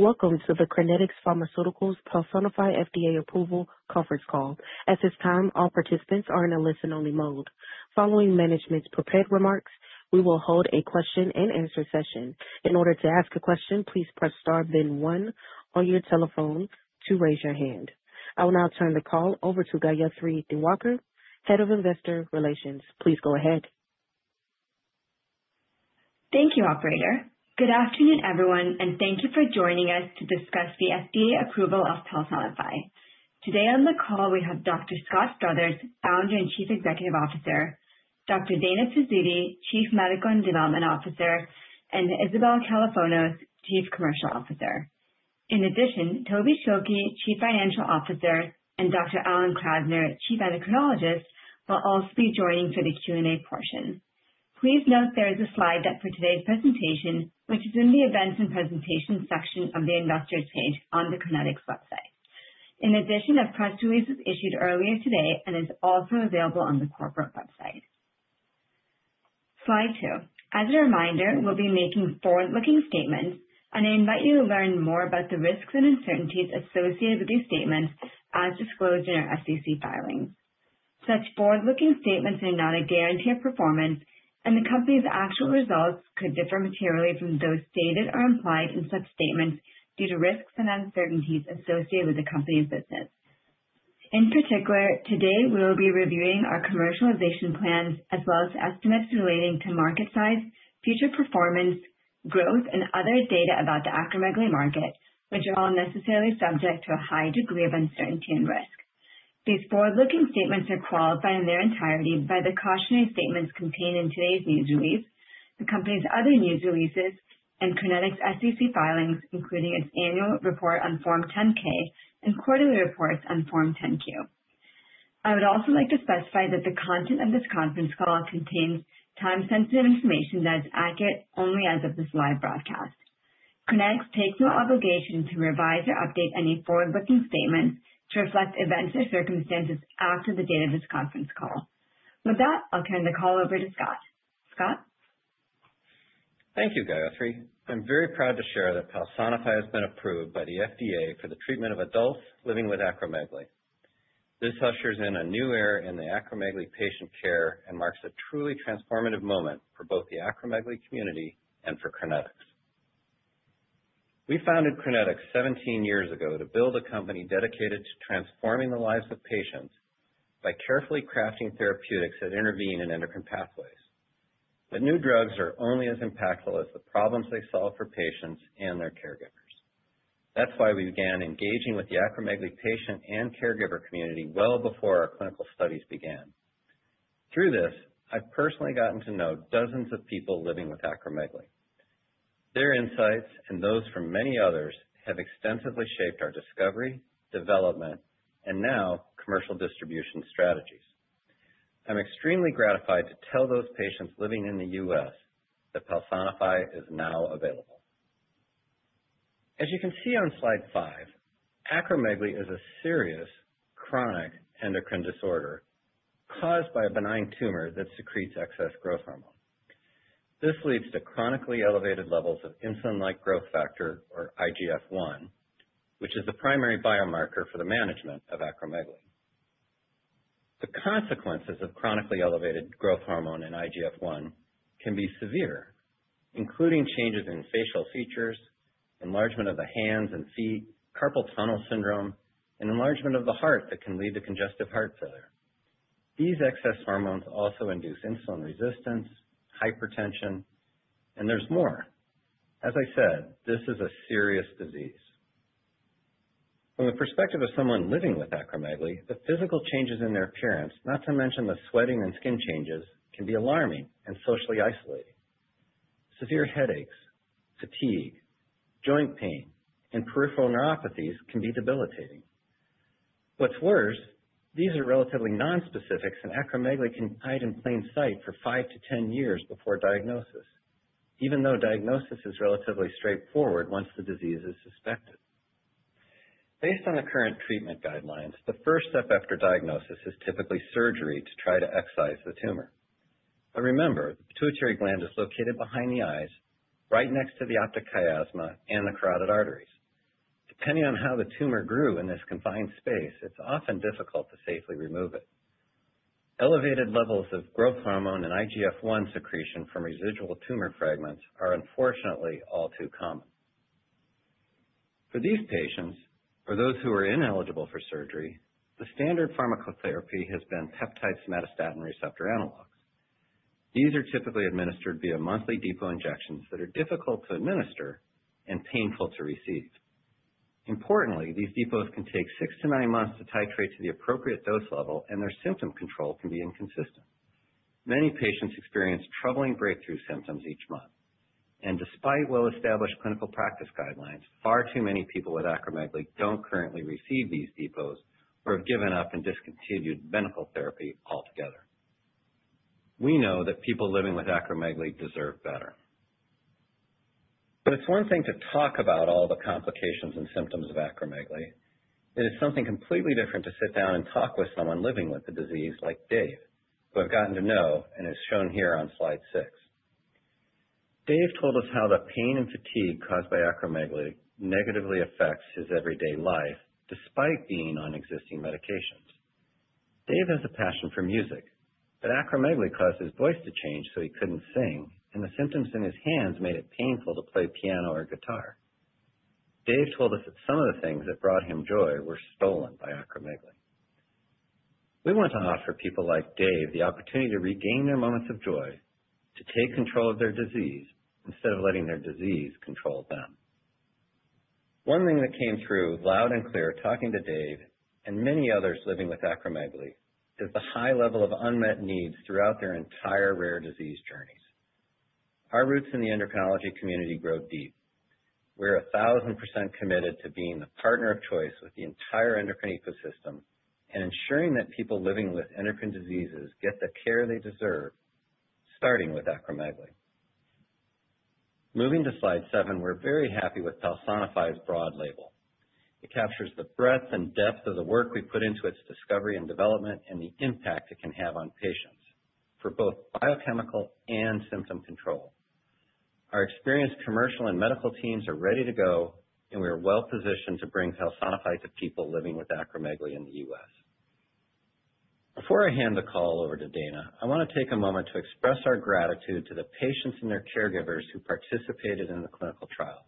Welcome to the Crinetics Pharmaceuticals' Palsonify FDA Approval Conference Call. At this time, all participants are in a listen-only mode. Following management's prepared remarks, we will hold a question-and-answer session. In order to ask a question, please press star then one on your telephone to raise your hand. I will now turn the call over to Gayathri Diwakar, Head of Investor Relations. Please go ahead. Thank you, Operator. Good afternoon, everyone, and thank you for joining us to discuss the FDA approval of Palsonify. Today on the call, we have Dr. Scott Struthers, Founder and Chief Executive Officer, Dr. Dana Pizzuti, Chief Medical and Development Officer, and Isabel Kalofonos, Chief Commercial Officer. In addition, Tobin Schilke, Chief Financial Officer, and Dr. Alan Krasner, Chief Endocrinologist, will also be joining for the Q&A portion. Please note there is a slide for today's presentation, which is in the Events and Presentations section of the Investors page on the Crinetics website. In addition, a press release was issued earlier today and is also available on the corporate website. Slide two. As a reminder, we'll be making forward-looking statements, and I invite you to learn more about the risks and uncertainties associated with these statements as disclosed in our SEC filings. Such forward-looking statements are not a guarantee of performance, and the company's actual results could differ materially from those stated or implied in such statements due to risks and uncertainties associated with the company's business. In particular, today we will be reviewing our commercialization plans as well as estimates relating to market size, future performance, growth, and other data about the acromegaly market, which are all necessarily subject to a high degree of uncertainty and risk. These forward-looking statements are qualified in their entirety by the cautionary statements contained in today's news release, the company's other news releases, and Crinetics' SEC filings, including its annual report on Form 10-K and quarterly reports on Form 10-Q. I would also like to specify that the content of this conference call contains time-sensitive information that is accurate only as of this live broadcast. Crinetics takes no obligation to revise or update any forward-looking statements to reflect events or circumstances after the date of this conference call. With that, I'll turn the call over to Scott. Scott. Thank you, Gayathri. I'm very proud to share that Palsonify has been approved by the FDA for the treatment of adults living with acromegaly. This ushers in a new era in the acromegaly patient care and marks a truly transformative moment for both the acromegaly community and for Crinetics. We founded Crinetics 17 years ago to build a company dedicated to transforming the lives of patients by carefully crafting therapeutics that intervene in endocrine pathways. But new drugs are only as impactful as the problems they solve for patients and their caregivers. That's why we began engaging with the acromegaly patient and caregiver community well before our clinical studies began. Through this, I've personally gotten to know dozens of people living with acromegaly. Their insights and those from many others have extensively shaped our discovery, development, and now commercial distribution strategies. I'm extremely gratified to tell those patients living in the U.S. that Palsonify is now available. As you can see on slide five, acromegaly is a serious chronic endocrine disorder caused by a benign tumor that secretes excess growth hormone. This leads to chronically elevated levels of insulin-like growth factor, or IGF-1, which is the primary biomarker for the management of acromegaly. The consequences of chronically elevated growth hormone and IGF-1 can be severe, including changes in facial features, enlargement of the hands and feet, carpal tunnel syndrome, and enlargement of the heart that can lead to congestive heart failure. These excess hormones also induce insulin resistance, hypertension, and there's more. As I said, this is a serious disease. From the perspective of someone living with acromegaly, the physical changes in their appearance, not to mention the sweating and skin changes, can be alarming and socially isolating. Severe headaches, fatigue, joint pain, and peripheral neuropathies can be debilitating. What's worse, these are relatively nonspecific, and acromegaly can hide in plain sight for five to 10 years before diagnosis, even though diagnosis is relatively straightforward once the disease is suspected. Based on the current treatment guidelines, the first step after diagnosis is typically surgery to try to excise the tumor. But remember, the pituitary gland is located behind the eyes, right next to the optic chiasm and the carotid arteries. Depending on how the tumor grew in this confined space, it's often difficult to safely remove it. Elevated levels of growth hormone and IGF-1 secretion from residual tumor fragments are unfortunately all too common. For these patients, or those who are ineligible for surgery, the standard pharmacotherapy has been peptide somatostatin receptor analogs. These are typically administered via monthly depot injections that are difficult to administer and painful to receive. Importantly, these depots can take six to nine months to titrate to the appropriate dose level, and their symptom control can be inconsistent. Many patients experience troubling breakthrough symptoms each month. And despite well-established clinical practice guidelines, far too many people with acromegaly don't currently receive these depots or have given up and discontinued medical therapy altogether. We know that people living with acromegaly deserve better. But it's one thing to talk about all the complications and symptoms of acromegaly. It is something completely different to sit down and talk with someone living with the disease like Dave, who I've gotten to know and is shown here on slide six. Dave told us how the pain and fatigue caused by acromegaly negatively affects his everyday life despite being on existing medications. Dave has a passion for music, but acromegaly caused his voice to change so he couldn't sing, and the symptoms in his hands made it painful to play piano or guitar. Dave told us that some of the things that brought him joy were stolen by acromegaly. We want to offer people like Dave the opportunity to regain their moments of joy, to take control of their disease instead of letting their disease control them. One thing that came through loud and clear talking to Dave and many others living with acromegaly is the high level of unmet needs throughout their entire rare disease journeys. Our roots in the endocrinology community grow deep. We're 1,000% committed to being the partner of choice with the entire endocrine ecosystem and ensuring that people living with endocrine diseases get the care they deserve, starting with acromegaly. Moving to slide seven, we're very happy with Palsonify's broad label. It captures the breadth and depth of the work we put into its discovery and development and the impact it can have on patients for both biochemical and symptom control. Our experienced commercial and medical teams are ready to go, and we are well-positioned to bring Palsonify to people living with acromegaly in the U.S. Before I hand the call over to Dana, I want to take a moment to express our gratitude to the patients and their caregivers who participated in the clinical trials.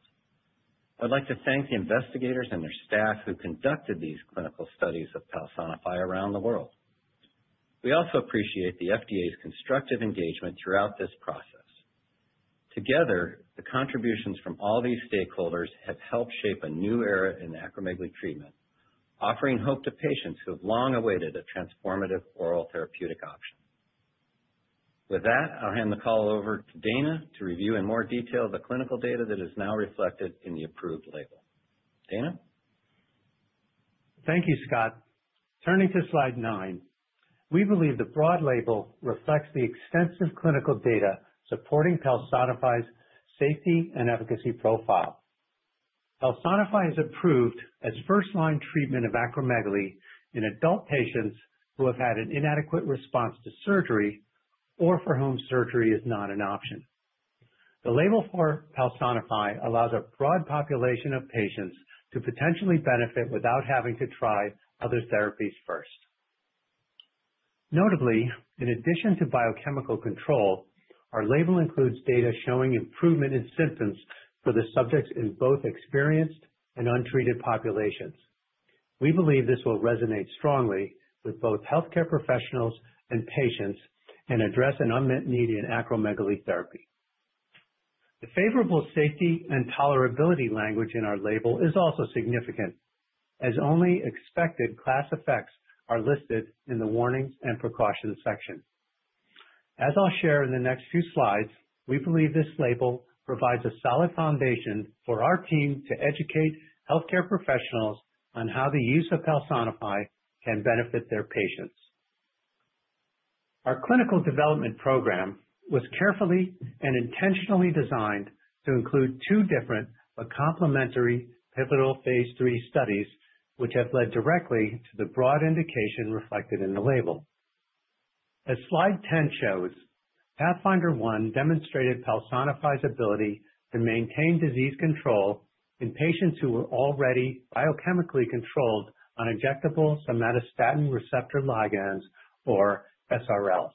I'd like to thank the investigators and their staff who conducted these clinical studies of Palsonify around the world. We also appreciate the FDA's constructive engagement throughout this process. Together, the contributions from all these stakeholders have helped shape a new era in acromegaly treatment, offering hope to patients who have long awaited a transformative oral therapeutic option. With that, I'll hand the call over to Dana to review in more detail the clinical data that is now reflected in the approved label. Dana? Thank you, Scott. Turning to slide nine, we believe the broad label reflects the extensive clinical data supporting Palsonify's safety and efficacy profile. Palsonify is approved as first-line treatment of acromegaly in adult patients who have had an inadequate response to surgery or for whom surgery is not an option. The label for Palsonify allows a broad population of patients to potentially benefit without having to try other therapies first. Notably, in addition to biochemical control, our label includes data showing improvement in symptoms for the subjects in both experienced and untreated populations. We believe this will resonate strongly with both healthcare professionals and patients and address an unmet need in acromegaly therapy. The favorable safety and tolerability language in our label is also significant, as only expected class effects are listed in the warnings and precautions section. As I'll share in the next few slides, we believe this label provides a solid foundation for our team to educate healthcare professionals on how the use of Palsonify can benefit their patients. Our clinical development program was carefully and intentionally designed to include two different but complementary pivotal Phase III studies, which have led directly to the broad indication reflected in the label. As slide 10 shows, PATHFNDR-1 demonstrated Palsonify's ability to maintain disease control in patients who were already biochemically controlled on injectable somatostatin receptor ligands, or SRLs.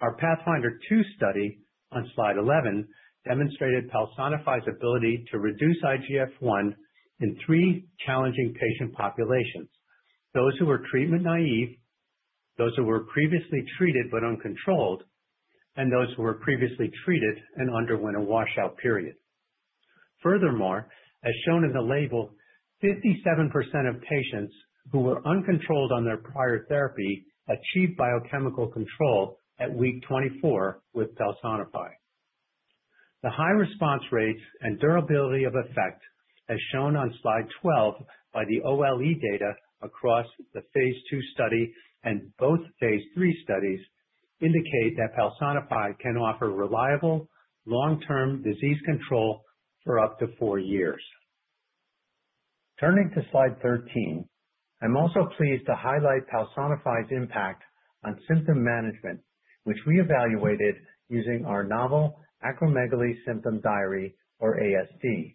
Our PATHFNDR-2 study on slide 11 demonstrated Palsonify's ability to reduce IGF-1 in three challenging patient populations: those who were treatment naive, those who were previously treated but uncontrolled, and those who were previously treated and underwent a washout period. Furthermore, as shown in the label, 57% of patients who were uncontrolled on their prior therapy achieved biochemical control at week 24 with Palsonify. The high response rates and durability of effect, as shown on slide 12 by the OLE data across the Phase II study and both Phase III studies, indicate that Palsonify can offer reliable long-term disease control for up to four years. Turning to slide 13, I'm also pleased to highlight Palsonify's impact on symptom management, which we evaluated using our novel Acromegaly Symptom Diary, or ASD.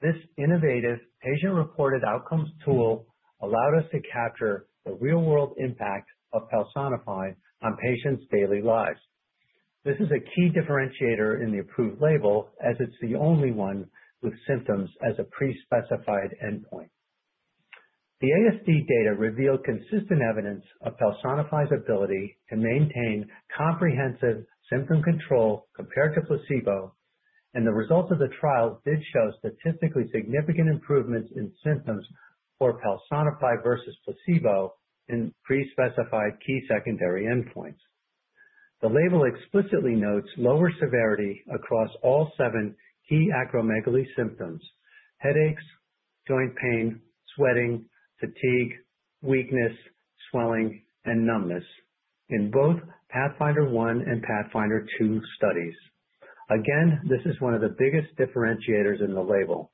This innovative patient-reported outcomes tool allowed us to capture the real-world impact of Palsonify on patients' daily lives. This is a key differentiator in the approved label, as it's the only one with symptoms as a pre-specified endpoint. The ASD data revealed consistent evidence of Palsonify's ability to maintain comprehensive symptom control compared to placebo, and the results of the trial did show statistically significant improvements in symptoms for Palsonify versus placebo in pre-specified key secondary endpoints. The label explicitly notes lower severity across all seven key acromegaly symptoms: headaches, joint pain, sweating, fatigue, weakness, swelling, and numbness in both PATHFNDR-1 and PATHFNDR-2 studies. Again, this is one of the biggest differentiators in the label.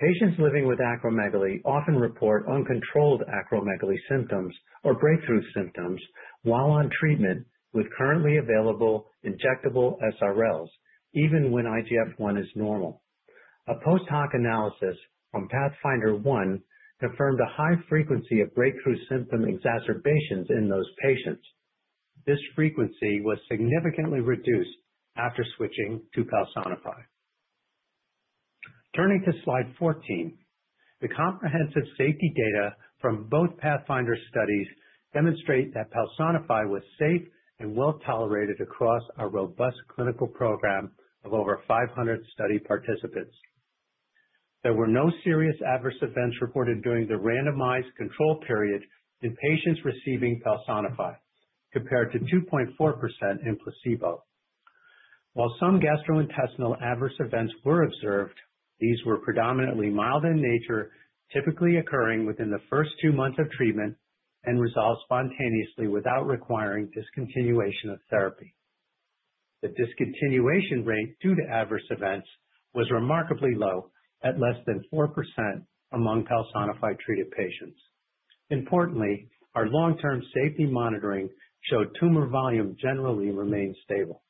Patients living with acromegaly often report uncontrolled acromegaly symptoms or breakthrough symptoms while on treatment with currently available injectable SRLs, even when IGF-1 is normal. A post-hoc analysis from PATHFNDR-1 confirmed a high frequency of breakthrough symptom exacerbations in those patients. This frequency was significantly reduced after switching to Palsonify. Turning to slide 14, the comprehensive safety data from both PATHFNDR studies demonstrate that Palsonify was safe and well-tolerated across our robust clinical program of over 500 study participants. There were no serious adverse events reported during the randomized control period in patients receiving Palsonify, compared to 2.4% in placebo. While some gastrointestinal adverse events were observed, these were predominantly mild in nature, typically occurring within the first two months of treatment and resolved spontaneously without requiring discontinuation of therapy. The discontinuation rate due to adverse events was remarkably low, at less than 4% among Palsonify-treated patients. Importantly, our long-term safety monitoring showed tumor volume generally remained stable.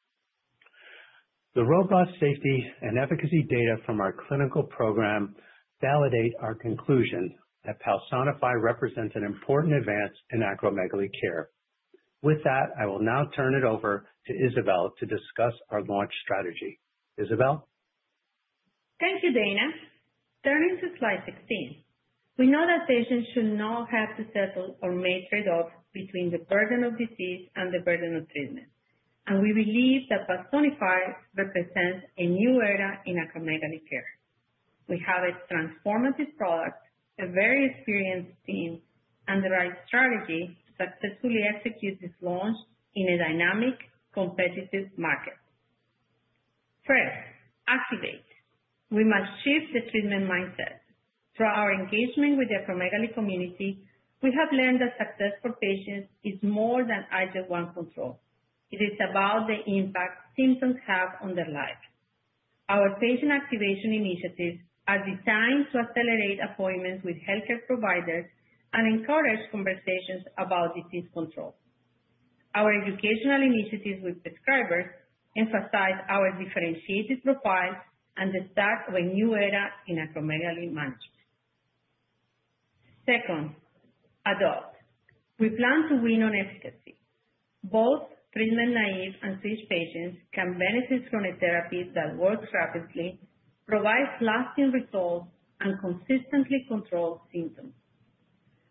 The robust safety and efficacy data from our clinical program validate our conclusion that Palsonify represents an important advance in acromegaly care. With that, I will now turn it over to Isabel to discuss our launch strategy. Isabel? Thank you, Dana. Turning to slide 16, we know that patients should know how to settle or make trade-offs between the burden of disease and the burden of treatment. And we believe that Palsonify represents a new era in acromegaly care. We have a transformative product, a very experienced team, and the right strategy to successfully execute this launch in a dynamic, competitive market. First, activate. We must shift the treatment mindset. Through our engagement with the acromegaly community, we have learned that success for patients is more than adequate control. It is about the impact symptoms have on their lives. Our patient activation initiatives are designed to accelerate appointments with healthcare providers and encourage conversations about disease control. Our educational initiatives with prescribers emphasize our differentiated profile and the start of a new era in acromegaly management. Second, adopt. We plan to win on efficacy. Both treatment-naive and switch patients can benefit from a therapy that works rapidly, provides lasting results, and consistently controls symptoms.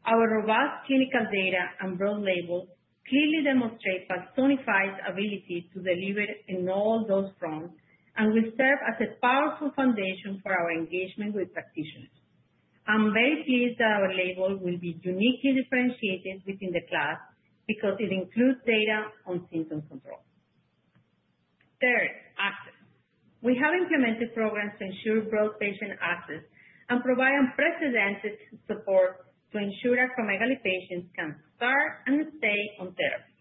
Our robust clinical data and broad label clearly demonstrate Palsonify's ability to deliver in all those fronts and will serve as a powerful foundation for our engagement with practitioners. I'm very pleased that our label will be uniquely differentiated within the class because it includes data on symptom control. Third, access. We have implemented programs to ensure broad patient access and provide unprecedented support to ensure acromegaly patients can start and stay on therapy.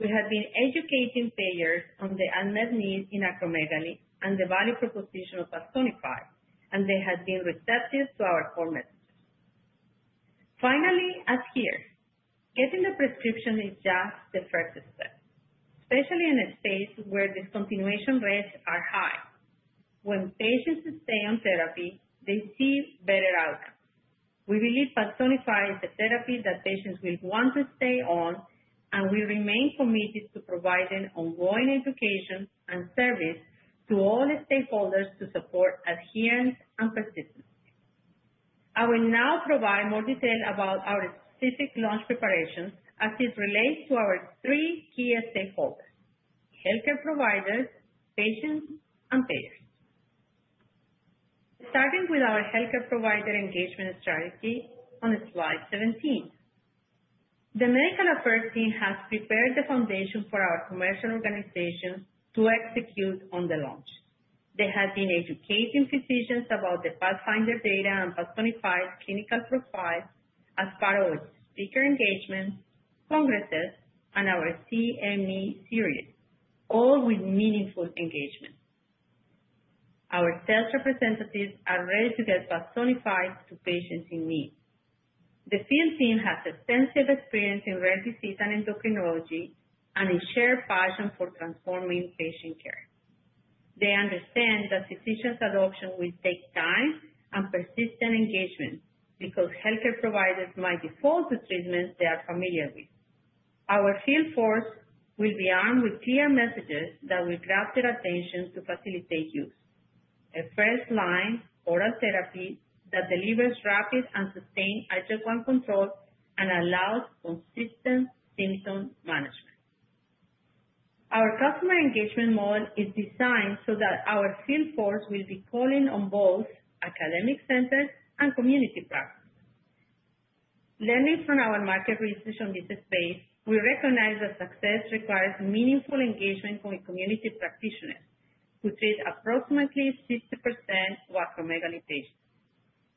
We have been educating payers on the unmet needs in acromegaly and the value proposition of Palsonify, and they have been receptive to our core messages. Finally, adhere. Getting the prescription is just the first step, especially in a space where discontinuation rates are high. When patients stay on therapy, they see better outcomes. We believe Palsonify is the therapy that patients will want to stay on, and we remain committed to providing ongoing education and service to all stakeholders to support adherence and persistence. I will now provide more detail about our specific launch preparations as it relates to our three key stakeholders: healthcare providers, patients, and payers. Starting with our healthcare provider engagement strategy on slide 17, the medical affairs team has prepared the foundation for our commercial organization to execute on the launch. They have been educating physicians about the PATHFNDR data and Palsonify's clinical profile as part of speaker engagements, congresses, and our CME series, all with meaningful engagement. Our sales representatives are ready to get Palsonify to patients in need. The field team has extensive experience in rare disease and endocrinology and a shared passion for transforming patient care. They understand that physicians' adoption will take time and persistent engagement because healthcare providers might default to treatments they are familiar with. Our field force will be armed with clear messages that will grab their attention to facilitate use: a first-line oral therapy that delivers rapid and sustained adjuvant control and allows consistent symptom management. Our customer engagement model is designed so that our field force will be calling on both academic centers and community practice. Learning from our market research on this space, we recognize that success requires meaningful engagement from community practitioners who treat approximately 50% of acromegaly patients.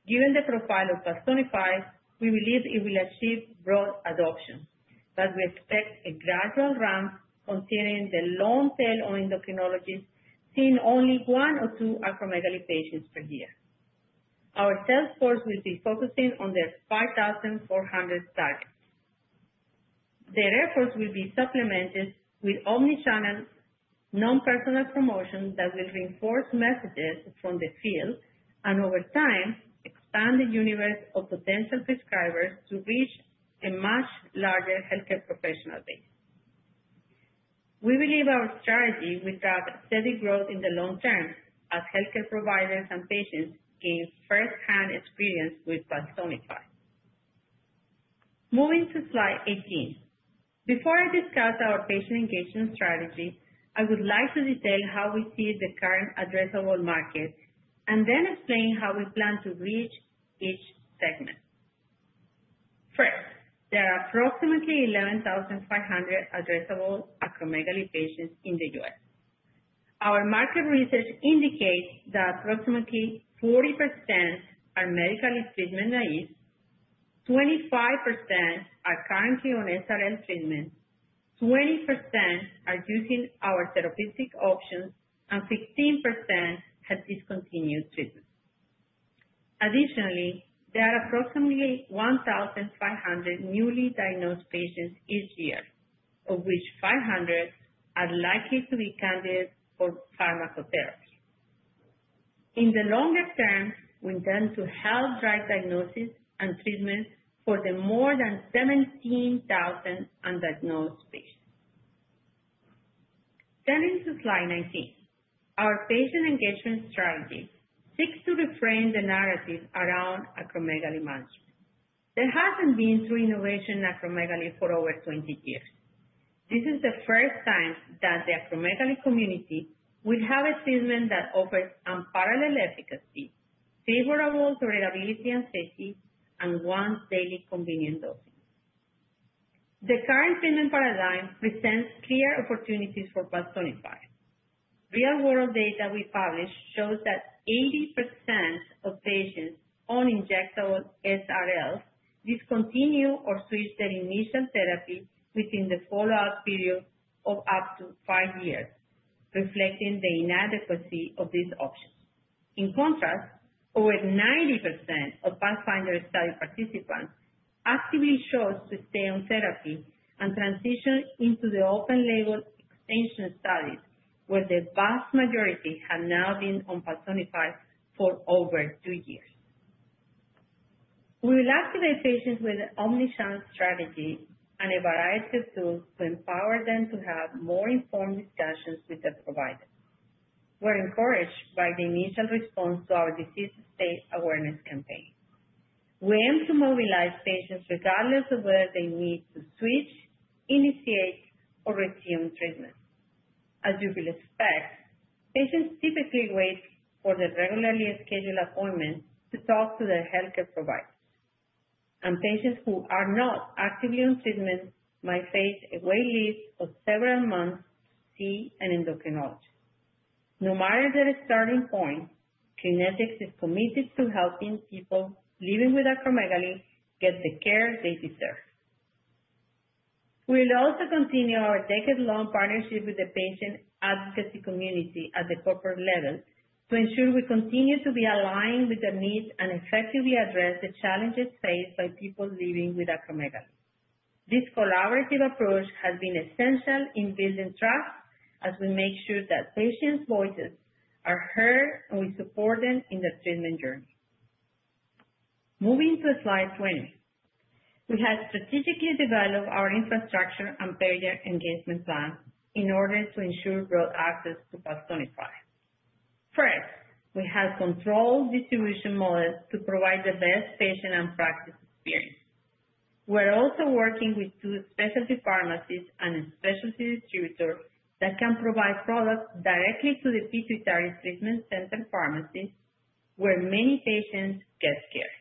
Given the profile of Palsonify, we believe it will achieve broad adoption, but we expect a gradual ramp considering the long tail on endocrinologists seeing only one or two acromegaly patients per year. Our sales force will be focusing on their 5,400 targets. Their efforts will be supplemented with omnichannel non-personal promotion that will reinforce messages from the field and, over time, expand the universe of potential prescribers to reach a much larger healthcare professional base. We believe our strategy will drive steady growth in the long term as healthcare providers and patients gain first-hand experience with Palsonify. Moving to slide 18, before I discuss our patient engagement strategy, I would like to detail how we see the current addressable market and then explain how we plan to reach each segment. First, there are approximately 11,500 addressable acromegaly patients in the U.S. Our market research indicates that approximately 40% are medically treatment naive, 25% are currently on SRL treatment, 20% are using our therapeutic options, and 15% have discontinued treatment. Additionally, there are approximately 1,500 newly diagnosed patients each year, of which 500 are likely to be candidates for pharmacotherapy. In the longer term, we intend to help drive diagnosis and treatment for the more than 17,000 undiagnosed patients. Turning to slide 19, our patient engagement strategy seeks to reframe the narrative around acromegaly management. There hasn't been true innovation in acromegaly for over 20 years. This is the first time that the acromegaly community will have a treatment that offers unparalleled efficacy, favorable tolerability and safety, and once-daily convenient dosing. The current treatment paradigm presents clear opportunities for Palsonify. Real-world data we published shows that 80% of patients on injectable SRLs discontinue or switch their initial therapy within the follow-up period of up to five years, reflecting the inadequacy of these options. In contrast, over 90% of PATHFNDR study participants actively chose to stay on therapy and transition into the open-label extension studies, where the vast majority have now been on Palsonify for over two years. We will activate patients with an omnichannel strategy and a variety of tools to empower them to have more informed discussions with their providers. We're encouraged by the initial response to our disease state awareness campaign. We aim to mobilize patients regardless of whether they need to switch, initiate, or resume treatment. As you will expect, patients typically wait for their regularly scheduled appointment to talk to their healthcare providers. And patients who are not actively on treatment might face a waitlist of several months to see an endocrinologist. No matter their starting point, Crinetics is committed to helping people living with acromegaly get the care they deserve. We will also continue our decade-long partnership with the patient advocacy community at the corporate level to ensure we continue to be aligned with their needs and effectively address the challenges faced by people living with acromegaly. This collaborative approach has been essential in building trust as we make sure that patients' voices are heard and we support them in their treatment journey. Moving to slide 20, we have strategically developed our infrastructure and payer engagement plan in order to ensure broad access to Palsonify. First, we have controlled distribution models to provide the best patient and practice experience. We're also working with two specialty pharmacies and a specialty distributor that can provide products directly to the pituitary treatment center pharmacies where many patients get care.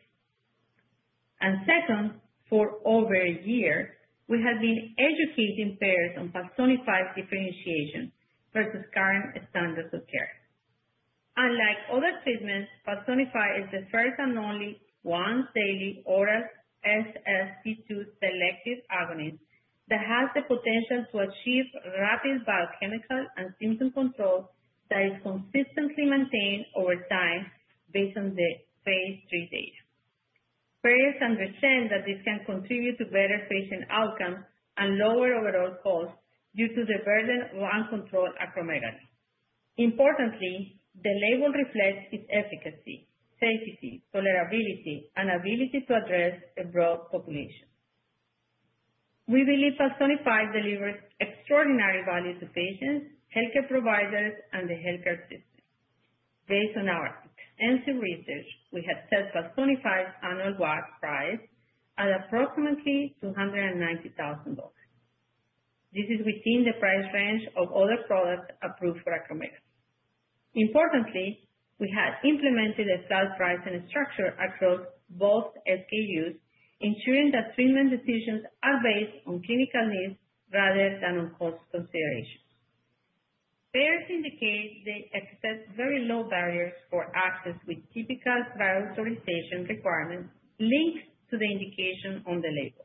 And second, for over a year, we have been educating payers on Palsonify's differentiation versus current standards of care. Unlike other treatments, Palsonify is the first and only once-daily oral SST2 selective agonist that has the potential to achieve rapid biochemical and symptom control that is consistently maintained over time based on the Phase III data. Payers understand that this can contribute to better patient outcomes and lower overall costs due to the burden of uncontrolled acromegaly. Importantly, the label reflects its efficacy, safety, tolerability, and ability to address a broad population. We believe Palsonify delivers extraordinary value to patients, healthcare providers, and the healthcare system. Based on our extensive research, we have set Palsonify's annual WAC price at approximately $290,000. This is within the price range of other products approved for acromegaly. Importantly, we have implemented a slab pricing structure across both SKUs, ensuring that treatment decisions are based on clinical needs rather than on cost considerations. Payers indicate they accept very low barriers for access with typical prior authorization requirements linked to the indication on the label.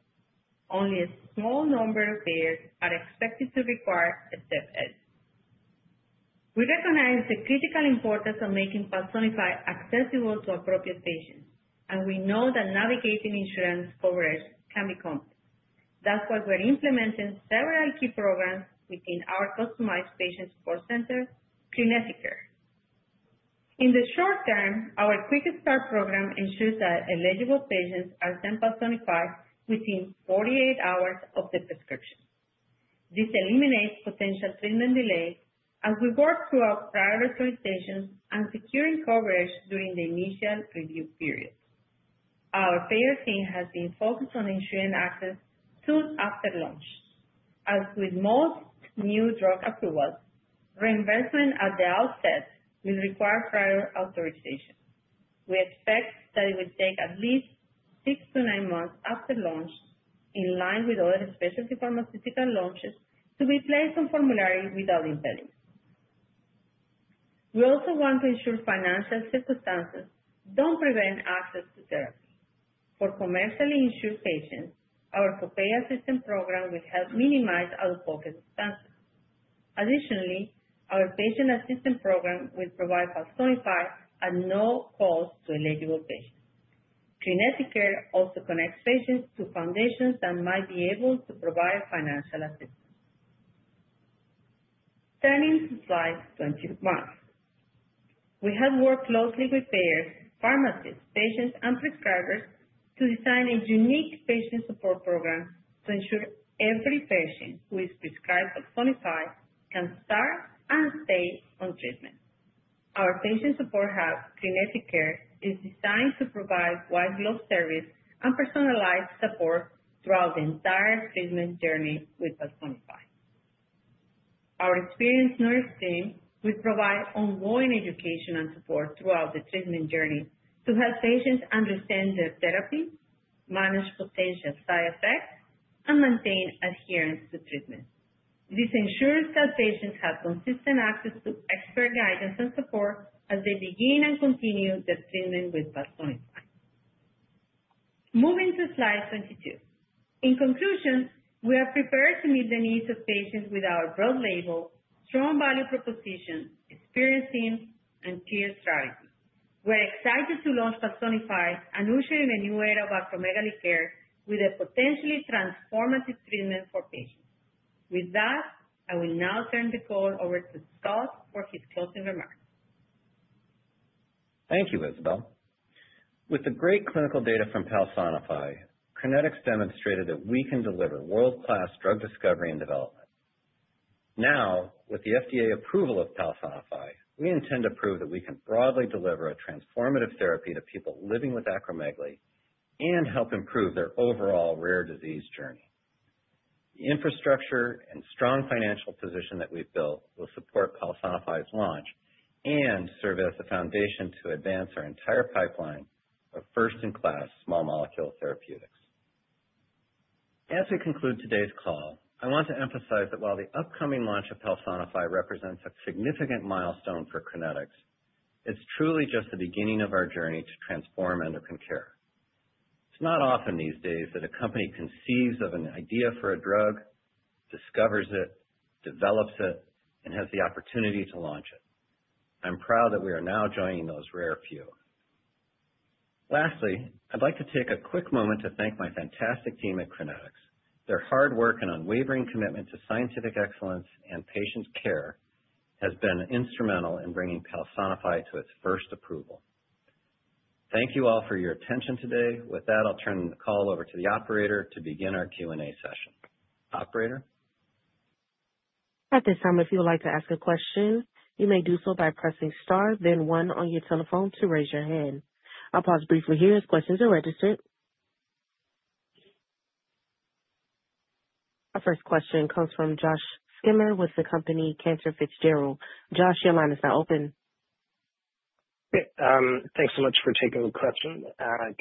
Only a small number of payers are expected to require a step edit. We recognize the critical importance of making Palsonify accessible to appropriate patients, and we know that navigating insurance coverage can be complex. That's why we're implementing several key programs within our customized patient support center, Crinetics Care. In the short term, our QuickStart program ensures that eligible patients are sent Palsonify within 48 hours of the prescription. This eliminates potential treatment delays as we work through our prior authorizations and securing coverage during the initial review period. Our payer team has been focused on ensuring access soon after launch. As with most new drug approvals, reimbursement at the outset will require prior authorization. We expect that it will take at least six to nine months after launch, in line with other specialty pharmaceutical launches, to be placed on formulary without impediments. We also want to ensure financial circumstances don't prevent access to therapy. For commercially insured patients, our co-pay assistance program will help minimize out-of-pocket expenses. Additionally, our patient assistance program will provide Palsonify at no cost to eligible patients. Crinetics Care also connects patients to foundations that might be able to provide financial assistance. Turning to slide 21, we have worked closely with payers, pharmacies, patients, and prescribers to design a unique patient support program to ensure every patient who is prescribed Palsonify can start and stay on treatment. Our patient support hub, Crinetics Care, is designed to provide white-glove service and personalized support throughout the entire treatment journey with Palsonify. Our experienced nurse team will provide ongoing education and support throughout the treatment journey to help patients understand their therapy, manage potential side effects, and maintain adherence to treatment. This ensures that patients have consistent access to expert guidance and support as they begin and continue their treatment with Palsonify. Moving to slide 22, in conclusion, we are prepared to meet the needs of patients with our broad label, strong value proposition, experienced team, and clear strategy. We're excited to launch Palsonify, ushering in a new era of acromegaly care with a potentially transformative treatment for patients. With that, I will now turn the call over to Scott for his closing remarks. Thank you, Isabel. With the great clinical data from Palsonify, Crinetics demonstrated that we can deliver world-class drug discovery and development. Now, with the FDA approval of Palsonify, we intend to prove that we can broadly deliver a transformative therapy to people living with acromegaly and help improve their overall rare disease journey. The infrastructure and strong financial position that we've built will support Palsonify's launch and serve as the foundation to advance our entire pipeline of first-in-class small molecule therapeutics. As we conclude today's call, I want to emphasize that while the upcoming launch of Palsonify represents a significant milestone for Crinetics, it's truly just the beginning of our journey to transform endocrine care. It's not often these days that a company conceives of an idea for a drug, discovers it, develops it, and has the opportunity to launch it. I'm proud that we are now joining those rare few. Lastly, I'd like to take a quick moment to thank my fantastic team at Crinetics. Their hard work and unwavering commitment to scientific excellence and patient care has been instrumental in bringing Palsonify to its first approval. Thank you all for your attention today. With that, I'll turn the call over to the operator to begin our Q&A session. Operator? At this time, if you would like to ask a question, you may do so by pressing Star, then 1 on your telephone to raise your hand. I'll pause briefly here as questions are registered. Our first question comes from Josh Schimmer with the company Cantor Fitzgerald. Josh, your line is now open. Thanks so much for taking the question.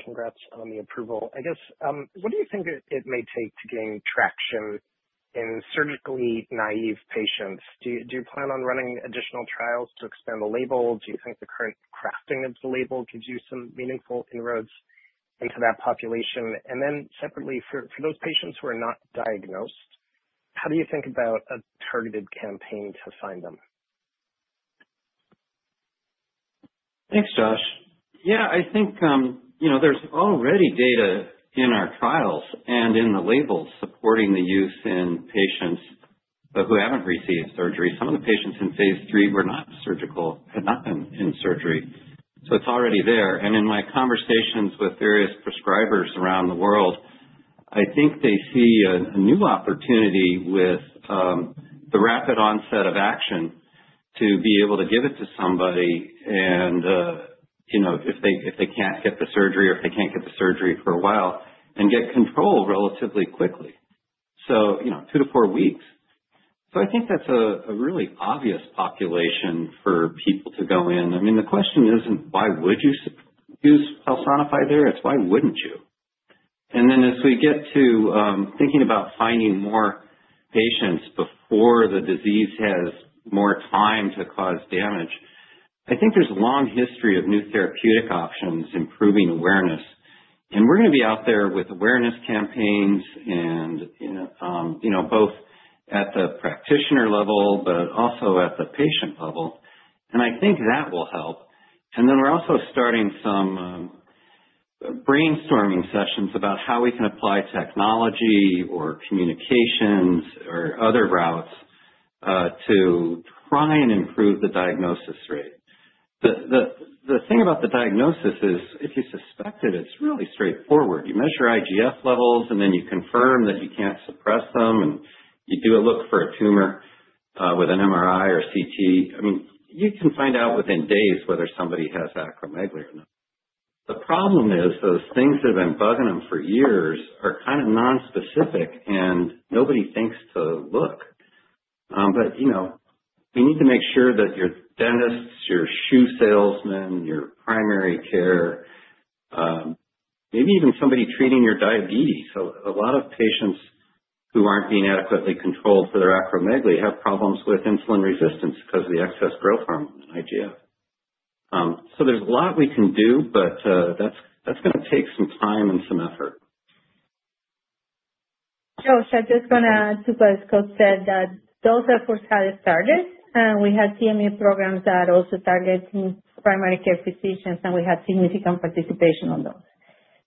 Congrats on the approval. I guess, what do you think it may take to gain traction in surgically naive patients? Do you plan on running additional trials to expand the label? Do you think the current crafting of the label gives you some meaningful inroads into that population? And then separately, for those patients who are not diagnosed, how do you think about a targeted campaign to find them? Thanks, Josh. Yeah, I think there's already data in our trials and in the labels supporting the use in patients who haven't received surgery. Some of the patients in Phase III were not surgical, had not been in surgery. So it's already there. And in my conversations with various prescribers around the world, I think they see a new opportunity with the rapid onset of action to be able to give it to somebody if they can't get the surgery or if they can't get the surgery for a while and get control relatively quickly, so two to four weeks. So I think that's a really obvious population for people to go in. I mean, the question isn't, why would you use Palsonify there? It's why wouldn't you? And then as we get to thinking about finding more patients before the disease has more time to cause damage, I think there's a long history of new therapeutic options improving awareness. And we're going to be out there with awareness campaigns both at the practitioner level but also at the patient level. And I think that will help. And then we're also starting some brainstorming sessions about how we can apply technology or communications or other routes to try and improve the diagnosis rate. The thing about the diagnosis is, if you suspect it, it's really straightforward. You measure IGF levels, and then you confirm that you can't suppress them, and you do a look for a tumor with an MRI or CT. I mean, you can find out within days whether somebody has acromegaly or not. The problem is those things that have been bugging them for years are kind of nonspecific, and nobody thinks to look, but we need to make sure that your dentists, your shoe salesmen, your primary care, maybe even somebody treating your diabetes, so a lot of patients who aren't being adequately controlled for their acromegaly have problems with insulin resistance because of the excess growth hormone and IGF. So there's a lot we can do, but that's going to take some time and some effort. Josh, I'm just going to add to what Scott said, that those efforts have started, and we have CME programs that also target primary care physicians, and we have significant participation on those,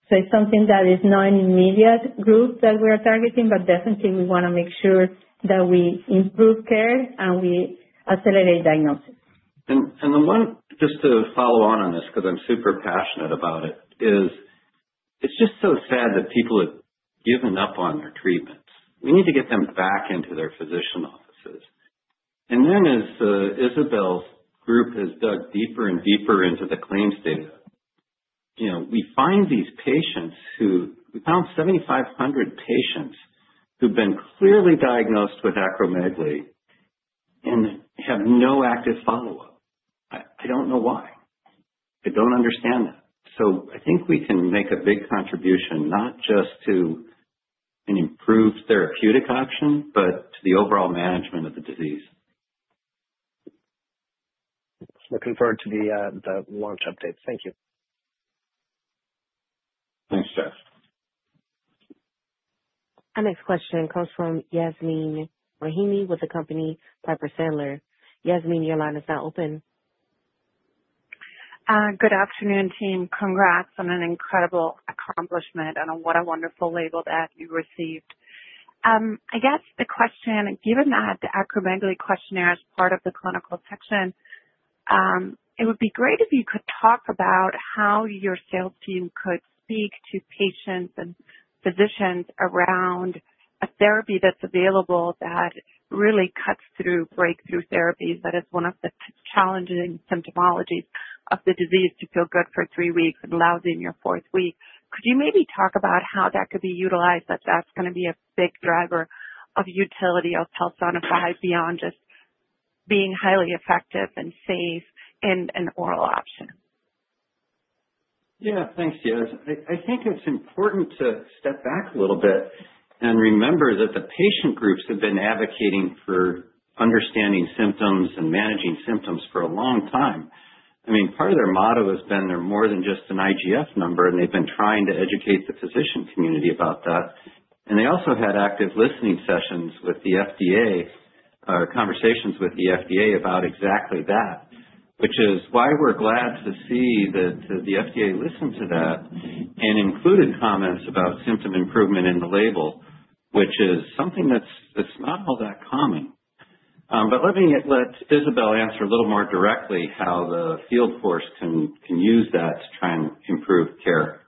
so it's something that is not an immediate group that we are targeting, but definitely we want to make sure that we improve care and we accelerate diagnosis. Just to follow on this, because I'm super passionate about it, it's just so sad that people have given up on their treatments. We need to get them back into their physician offices. Then as Isabel's group has dug deeper and deeper into the claims data, we find these patients. We've found 7,500 patients who've been clearly diagnosed with acromegaly and have no active follow-up. I don't know why. I don't understand that. So I think we can make a big contribution not just to an improved therapeutic option, but to the overall management of the disease. Looking forward to the launch updates. Thank you. Thanks, Josh. Our next question comes from Yasmeen Rahimi with the company Piper Sandler. Yasmeen, your line is now open. Good afternoon, team. Congrats on an incredible accomplishment and what a wonderful label that you received. I guess the question, given that the acromegaly questionnaire is part of the clinical section, it would be great if you could talk about how your sales team could speak to patients and physicians around a therapy that's available that really cuts through breakthrough symptoms that is one of the challenging symptomologies of the disease to feel good for three weeks and lousy in your fourth week. Could you maybe talk about how that could be utilized, that that's going to be a big driver of utility of Palsonify beyond just being highly effective and safe and an oral option? Yeah, thanks, Yas. I think it's important to step back a little bit and remember that the patient groups have been advocating for understanding symptoms and managing symptoms for a long time. I mean, part of their motto has been they're more than just an IGF number, and they've been trying to educate the physician community about that. And they also had active listening sessions with the FDA, conversations with the FDA about exactly that, which is why we're glad to see that the FDA listened to that and included comments about symptom improvement in the label, which is something that's not all that common. But let me let Isabel answer a little more directly how the field force can use that to try and improve care.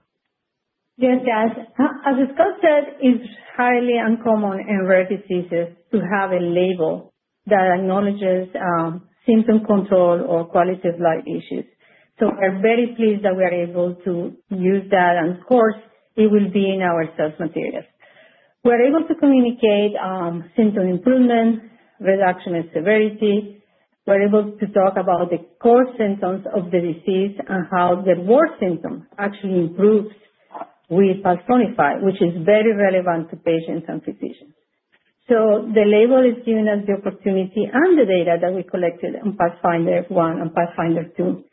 Yes, Yas. As Scott said, it's highly uncommon in rare diseases to have a label that acknowledges symptom control or quality of life issues. So we're very pleased that we are able to use that, and of course, it will be in our sales materials. We're able to communicate symptom improvement, reduction in severity. We're able to talk about the core symptoms of the disease and how the worst symptom actually improves with Palsonify, which is very relevant to patients and physicians. So the label is giving us the opportunity and the data that we collected on PATHFNDR-1 and PATHFNDR-2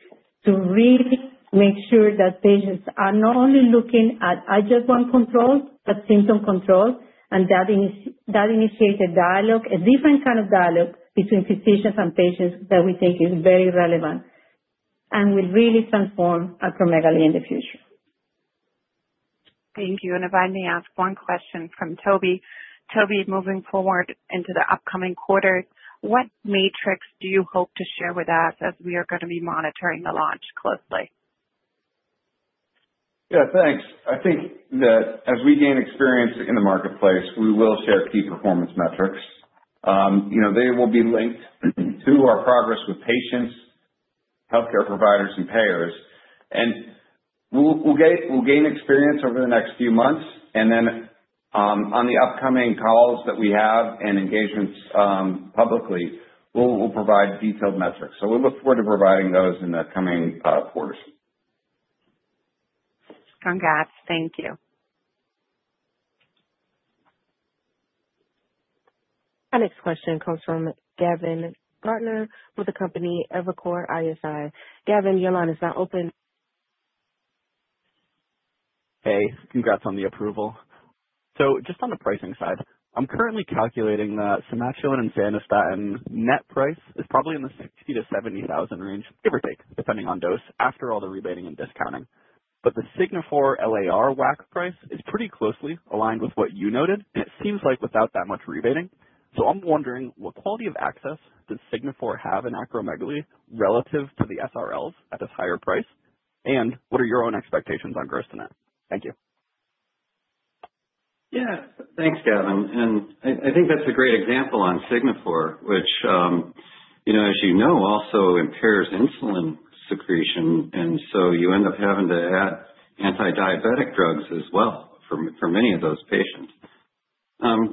to really make sure that patients are not only looking at adjuvant control, but symptom control, and that initiates a dialogue, a different kind of dialogue between physicians and patients that we think is very relevant and will really transform acromegaly in the future. Thank you. And if I may ask one question to Toby. Toby, moving forward into the upcoming quarter, what metrics do you hope to share with us as we are going to be monitoring the launch closely? Yeah, thanks. I think that as we gain experience in the marketplace, we will share key performance metrics. They will be linked to our progress with patients, healthcare providers, and payers. And we'll gain experience over the next few months. And then on the upcoming calls that we have and engagements publicly, we'll provide detailed metrics. So we look forward to providing those in the coming quarters. Congrats. Thank you. Our next question comes from Gavin Clark-Gartner with the company Evercore ISI. Gavin, your line is now open. Hey, congrats on the approval. So just on the pricing side, I'm currently calculating that Somatuline and Sandostatin net price is probably in the $60,000-$70,000 range, give or take, depending on dose after all the rebating and discounting. But the Signifor LAR WAC price is pretty closely aligned with what you noted, and it seems like without that much rebating. I'm wondering, what quality of access does Signifor have in acromegaly relative to the SRLs at this higher price? And what are your own expectations on gross-to-net? Thank you. Yeah, thanks, Gavin. And I think that's a great example on Signifor, which, as you know, also impairs insulin secretion. And so you end up having to add antidiabetic drugs as well for many of those patients.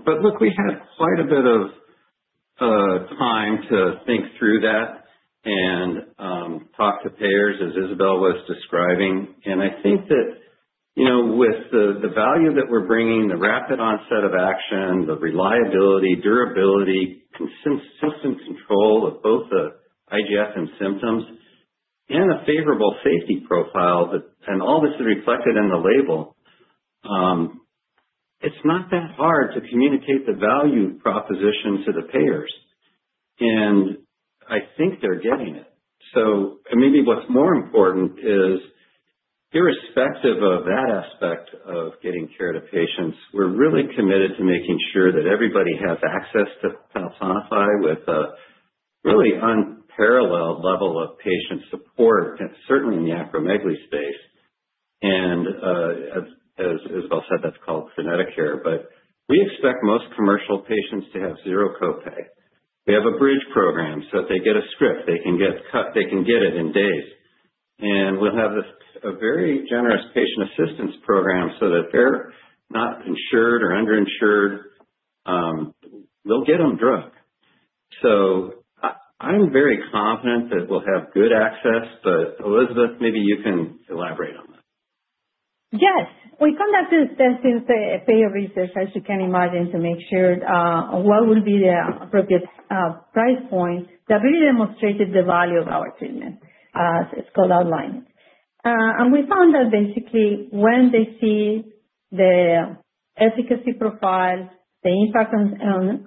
But look, we had quite a bit of time to think through that and talk to payers, as Isabel was describing. And I think that with the value that we're bringing, the rapid onset of action, the reliability, durability, consistent control of both the IGF and symptoms, and a favorable safety profile, and all this is reflected in the label, it's not that hard to communicate the value proposition to the payers. And I think they're getting it. So maybe what's more important is, irrespective of that aspect of getting care to patients, we're really committed to making sure that everybody has access to Palsonify with a really unparalleled level of patient support, certainly in the acromegaly space. And as Isabel said, that's called Crinetics Care. But we expect most commercial patients to have zero copay. We have a bridge program so if they get a script, they can get it in days. And we'll have a very generous patient assistance program so that if they're not insured or underinsured, we'll get them drug. So I'm very confident that we'll have good access, but Isabel, maybe you can elaborate on that. Yes. We conducted testing for payer research, as you can imagine, to make sure what would be the appropriate price point that really demonstrated the value of our treatment. As it's called outlined. We found that basically when they see the efficacy profile, the impact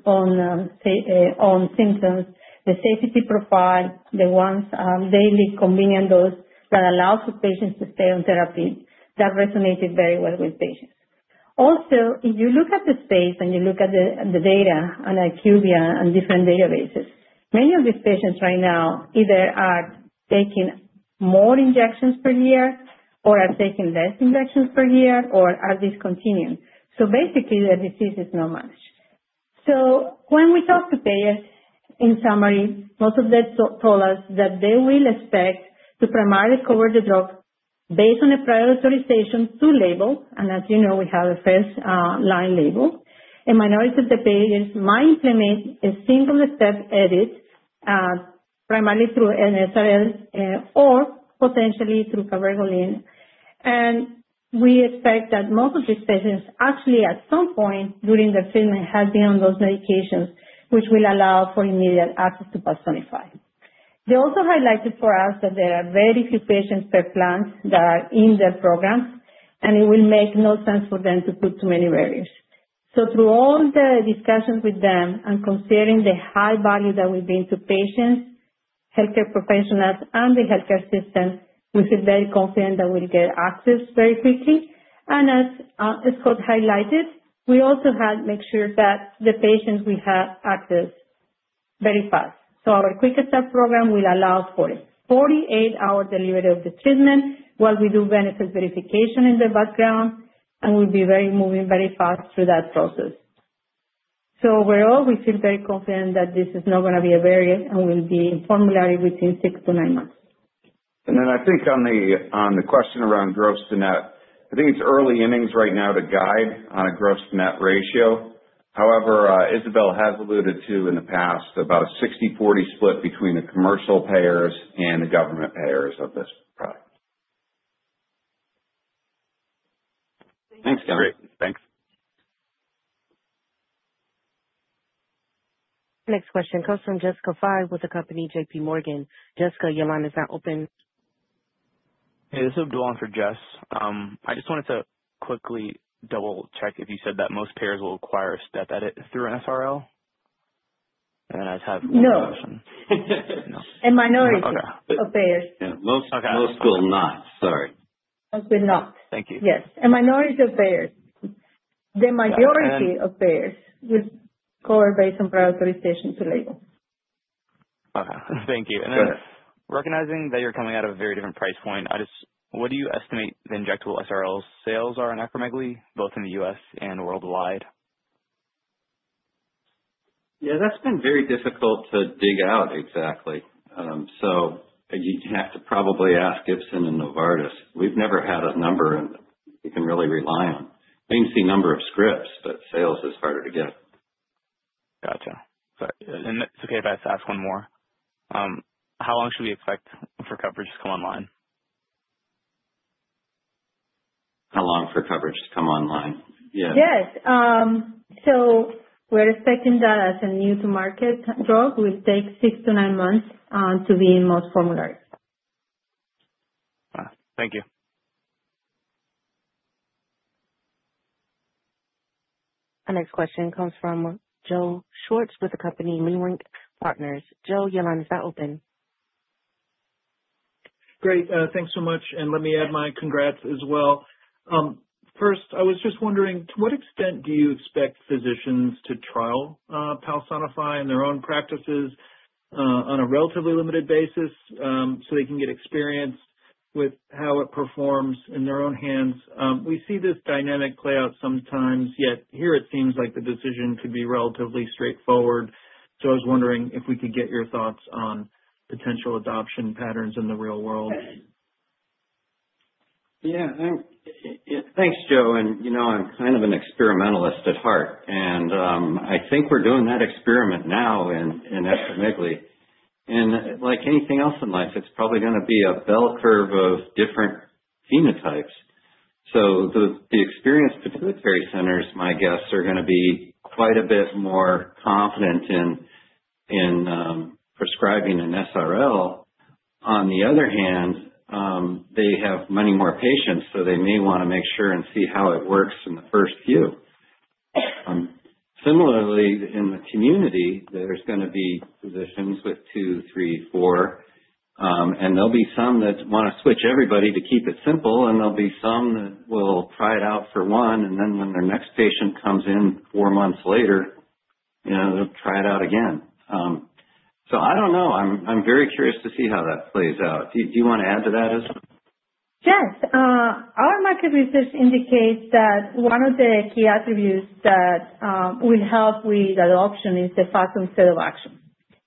on symptoms, the safety profile, the once daily convenient dose that allows the patients to stay on therapy, that resonated very well with patients. Also, if you look at the space and you look at the data on IQVIA and different databases, many of these patients right now either are taking more injections per year or are taking less injections per year or are discontinuing. So basically, the disease is not managed. So when we talk to payers, in summary, most of them told us that they will expect to primarily cover the drug based on a prioritization to label. And as you know, we have a first-line label. A minority of the payers might implement a single-step edit, primarily through an SRL or potentially through cabergoline. And we expect that most of these patients actually, at some point during their treatment, have been on those medications, which will allow for immediate access to Palsonify. They also highlighted for us that there are very few patients per plan that are in their program, and it will make no sense for them to put too many barriers. So through all the discussions with them and considering the high value that we bring to patients, healthcare professionals, and the healthcare system, we feel very confident that we'll get access very quickly. And as Scott highlighted, we also had to make sure that the patients will have access very fast. So our QuickStart program will allow for 48-hour delivery of the treatment while we do benefit verification in the background, and we'll be moving very fast through that process. So overall, we feel very confident that this is not going to be a barrier and will be formulary within six to nine months. And then I think on the question around gross-to-net, I think it's early innings right now to guide on a gross-to-net ratio. However, Isabel has alluded to in the past about a 60/40 split between the commercial payers and the government payers of this product. Thanks, Gavin. Thanks. Next question comes from Jessica Fye with the company J.P. Morgan. Jessica, your line is now open. Hey, this is Abdullah for Jess. I just wanted to quickly double-check if you said that most payers will require a step edit through an SRL. And then I just have one more question. No. A minority of payers. Most will not. Sorry. Most will not. Thank you. Yes. A minority of payers. The majority of payers will cover based on prior authorization to label. Okay. Thank you. And then recognizing that you're coming out of a very different price point, what do you estimate the injectable SRL sales are in acromegaly, both in the U.S. and worldwide? Yeah, that's been very difficult to dig out exactly. So you'd have to probably ask Ipsen and Novartis. We've never had a number we can really rely on. We didn't see a number of scripts, but sales is harder to get. Gotcha. And it's okay if I ask one more. How long should we expect for coverage to come online? How long for coverage to come online? Yeah. Yes. So we're expecting that as a new-to-market drug, it will take six to nine months to be on most formularies. Thank you. Our next question comes from Joe Schwartz with the company Leerink Partners. Joe, your line is now open. Great. Thanks so much. And let me add my congrats as well. First, I was just wondering, to what extent do you expect physicians to trial Palsonify in their own practices on a relatively limited basis so they can get experience with how it performs in their own hands? We see this dynamic play out sometimes, yet here it seems like the decision could be relatively straightforward. So I was wondering if we could get your thoughts on potential adoption patterns in the real world. Yeah. Thanks, Joe. And I'm kind of an experimentalist at heart. And I think we're doing that experiment now in acromegaly. And like anything else in life, it's probably going to be a bell curve of different phenotypes. So the experienced pituitary centers, my guess, are going to be quite a bit more confident in prescribing an SRL. On the other hand, they have many more patients, so they may want to make sure and see how it works in the first few. Similarly, in the community, there's going to be physicians with two, three, four, and there'll be some that want to switch everybody to keep it simple, and there'll be some that will try it out for one, and then when their next patient comes in four months later, they'll try it out again, so I don't know. I'm very curious to see how that plays out. Do you want to add to that, Isabel? Yes. Our market research indicates that one of the key attributes that will help with adoption is the fast and steady-state of action.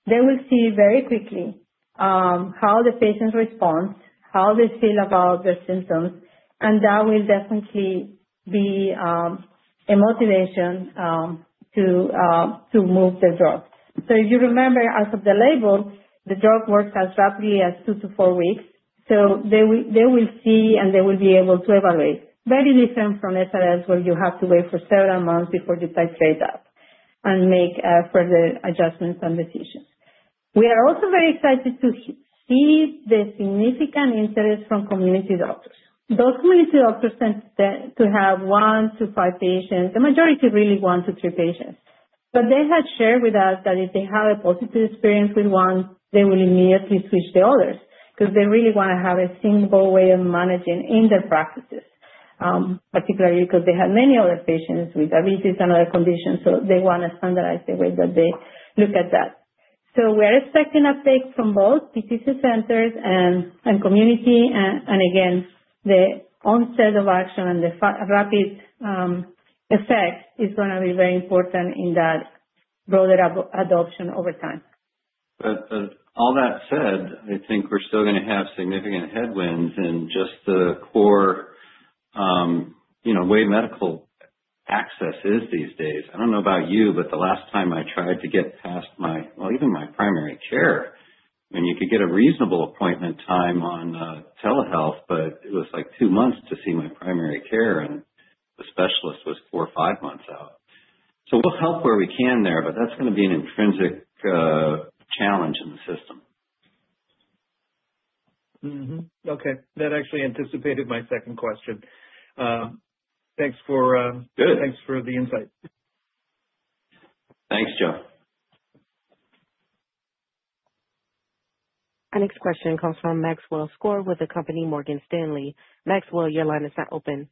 They will see very quickly how the patients respond, how they feel about their symptoms, and that will definitely be a motivation to move the drug. So if you remember, as of the label, the drug works as rapidly as two to four weeks. So they will see and they will be able to evaluate. Very different from SRLs where you have to wait for several months before you titrate that and make further adjustments and decisions. We are also very excited to see the significant interest from community doctors. Those community doctors tend to have one to five patients, the majority really one to three patients. But they had shared with us that if they had a positive experience with one, they will immediately switch to others because they really want to have a single way of managing in their practices, particularly because they had many other patients with diabetes and other conditions, so they want to standardize the way that they look at that. So we are expecting uptake from both PTC centers and community. And again, the onset of action and the rapid effect is going to be very important in that broader adoption over time. But all that said, I think we're still going to have significant headwinds in just the core way medical access is these days. I don't know about you, but the last time I tried to get past my well, even my primary care, I mean, you could get a reasonable appointment time on telehealth, but it was like two months to see my primary care, and the specialist was four or five months out. So we'll help where we can there, but that's going to be an intrinsic challenge in the system. Okay. That actually anticipated my second question. Thanks for. Good. Thanks for the insight. Thanks, Joe. Our next question comes from Maxwell Skor with the company Morgan Stanley. Maxwell, your line is now open.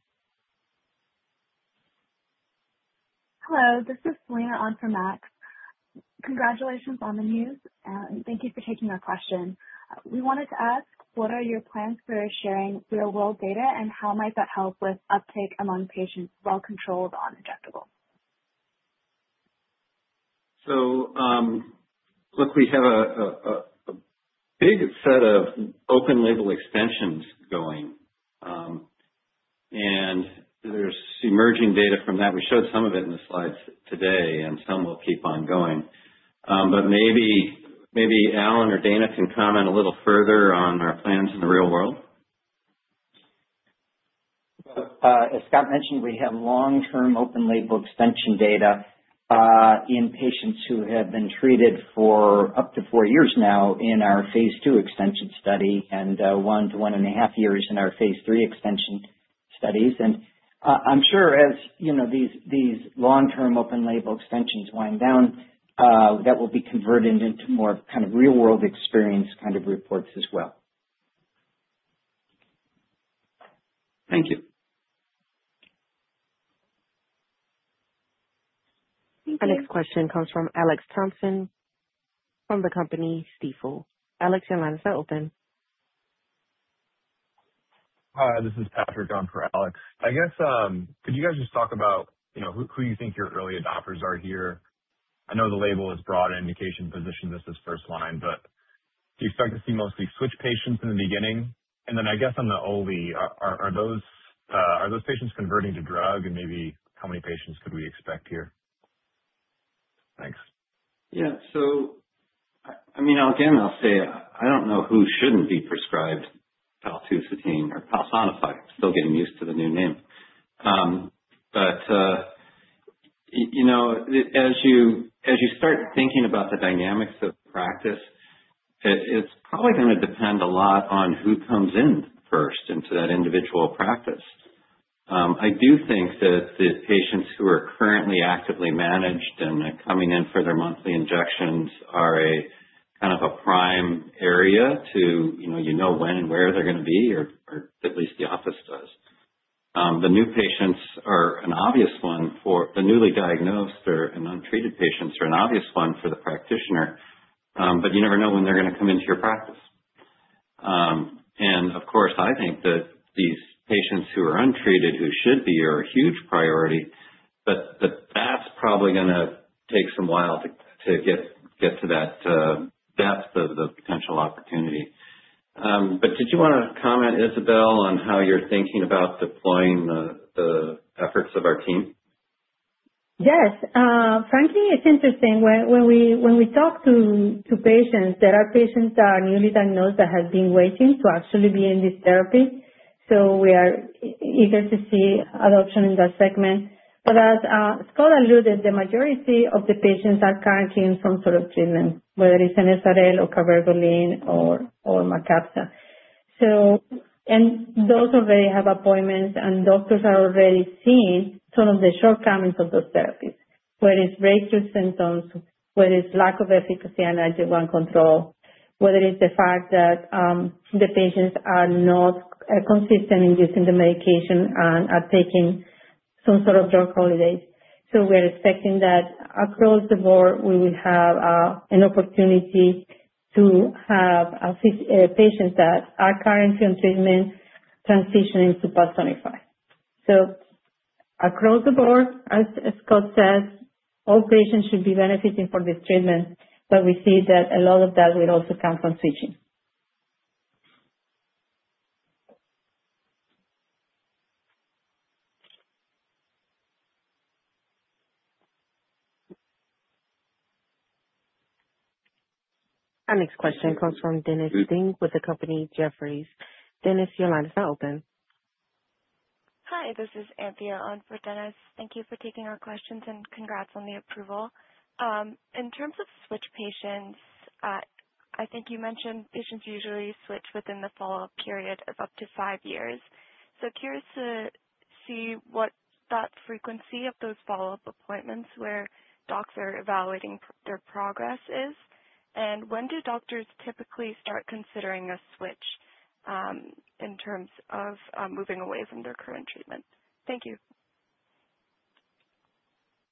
Hello. This is Selena on for Max. Congratulations on the news, and thank you for taking our question. We wanted to ask, what are your plans for sharing real-world data, and how might that help with uptake among patients well-controlled on injectables? So look, we have a big set of open-label extensions going, and there's emerging data from that. We showed some of it in the slides today, and some will keep on going. But maybe Alan or Dana can comment a little further on our plans in the real world. As Scott mentioned, we have long-term open-label extension data in patients who have been treated for up to four years now in our Phase II extension study and one to one and a half years in our Phase III extension studies. And I'm sure as these long-term open-label extensions wind down, that will be converted into more kind of real-world experience kind of reports as well. Thank you. Thank you. Our next question comes from Alex Thompson from the company Stifel. Alex, your line is now open. Hi. This is Patrick on for Alex. I guess, could you guys just talk about who you think your early adopters are here? I know the label is a broad indication. Physicians see this as first line, but do you expect to see mostly switch patients in the beginning? And then I guess on the OLE, are those patients converting to drug, and maybe how many patients could we expect here? Thanks. Yeah. So I mean, again, I'll say I don't know who shouldn't be prescribed paltusotine or Palsonify. I'm still getting used to the new name. But as you start thinking about the dynamics of practice, it's probably going to depend a lot on who comes in first into that individual practice. I do think that the patients who are currently actively managed and coming in for their monthly injections are kind of a prime area to you know when and where they're going to be, or at least the office does. The new patients are an obvious one for the newly diagnosed or untreated patients are an obvious one for the practitioner, but you never know when they're going to come into your practice. And of course, I think that these patients who are untreated, who should be, are a huge priority, but that's probably going to take some while to get to that depth of the potential opportunity. But did you want to comment, Isabel, on how you're thinking about deploying the efforts of our team? Yes. Frankly, it's interesting. When we talk to patients, there are patients that are newly diagnosed that have been waiting to actually be in this therapy. So we are eager to see adoption in that segment. But as Scott alluded, the majority of the patients are currently in some sort of treatment, whether it's an SRL or cabergoline or Mycapssa. And those already have appointments, and doctors are already seeing some of the shortcomings of those therapies, whether it's breakthrough symptoms, whether it's lack of efficacy and adequate control, whether it's the fact that the patients are not consistent in using the medication and are taking some sort of drug holidays. So we are expecting that across the board, we will have an opportunity to have patients that are currently on treatment transitioning to Palsonify. So across the board, as Scott said, all patients should be benefiting from this treatment, but we see that a lot of that will also come from switching. Our next question comes from Dennis Ding with the company Jefferies. Dennis, your line is now open. Hi. This is Anthea on for Dennis. Thank you for taking our questions and congrats on the approval. In terms of switch patients, I think you mentioned patients usually switch within the follow-up period of up to five years. So curious to see what that frequency of those follow-up appointments where docs are evaluating their progress is. And when do doctors typically start considering a switch in terms of moving away from their current treatment? Thank you.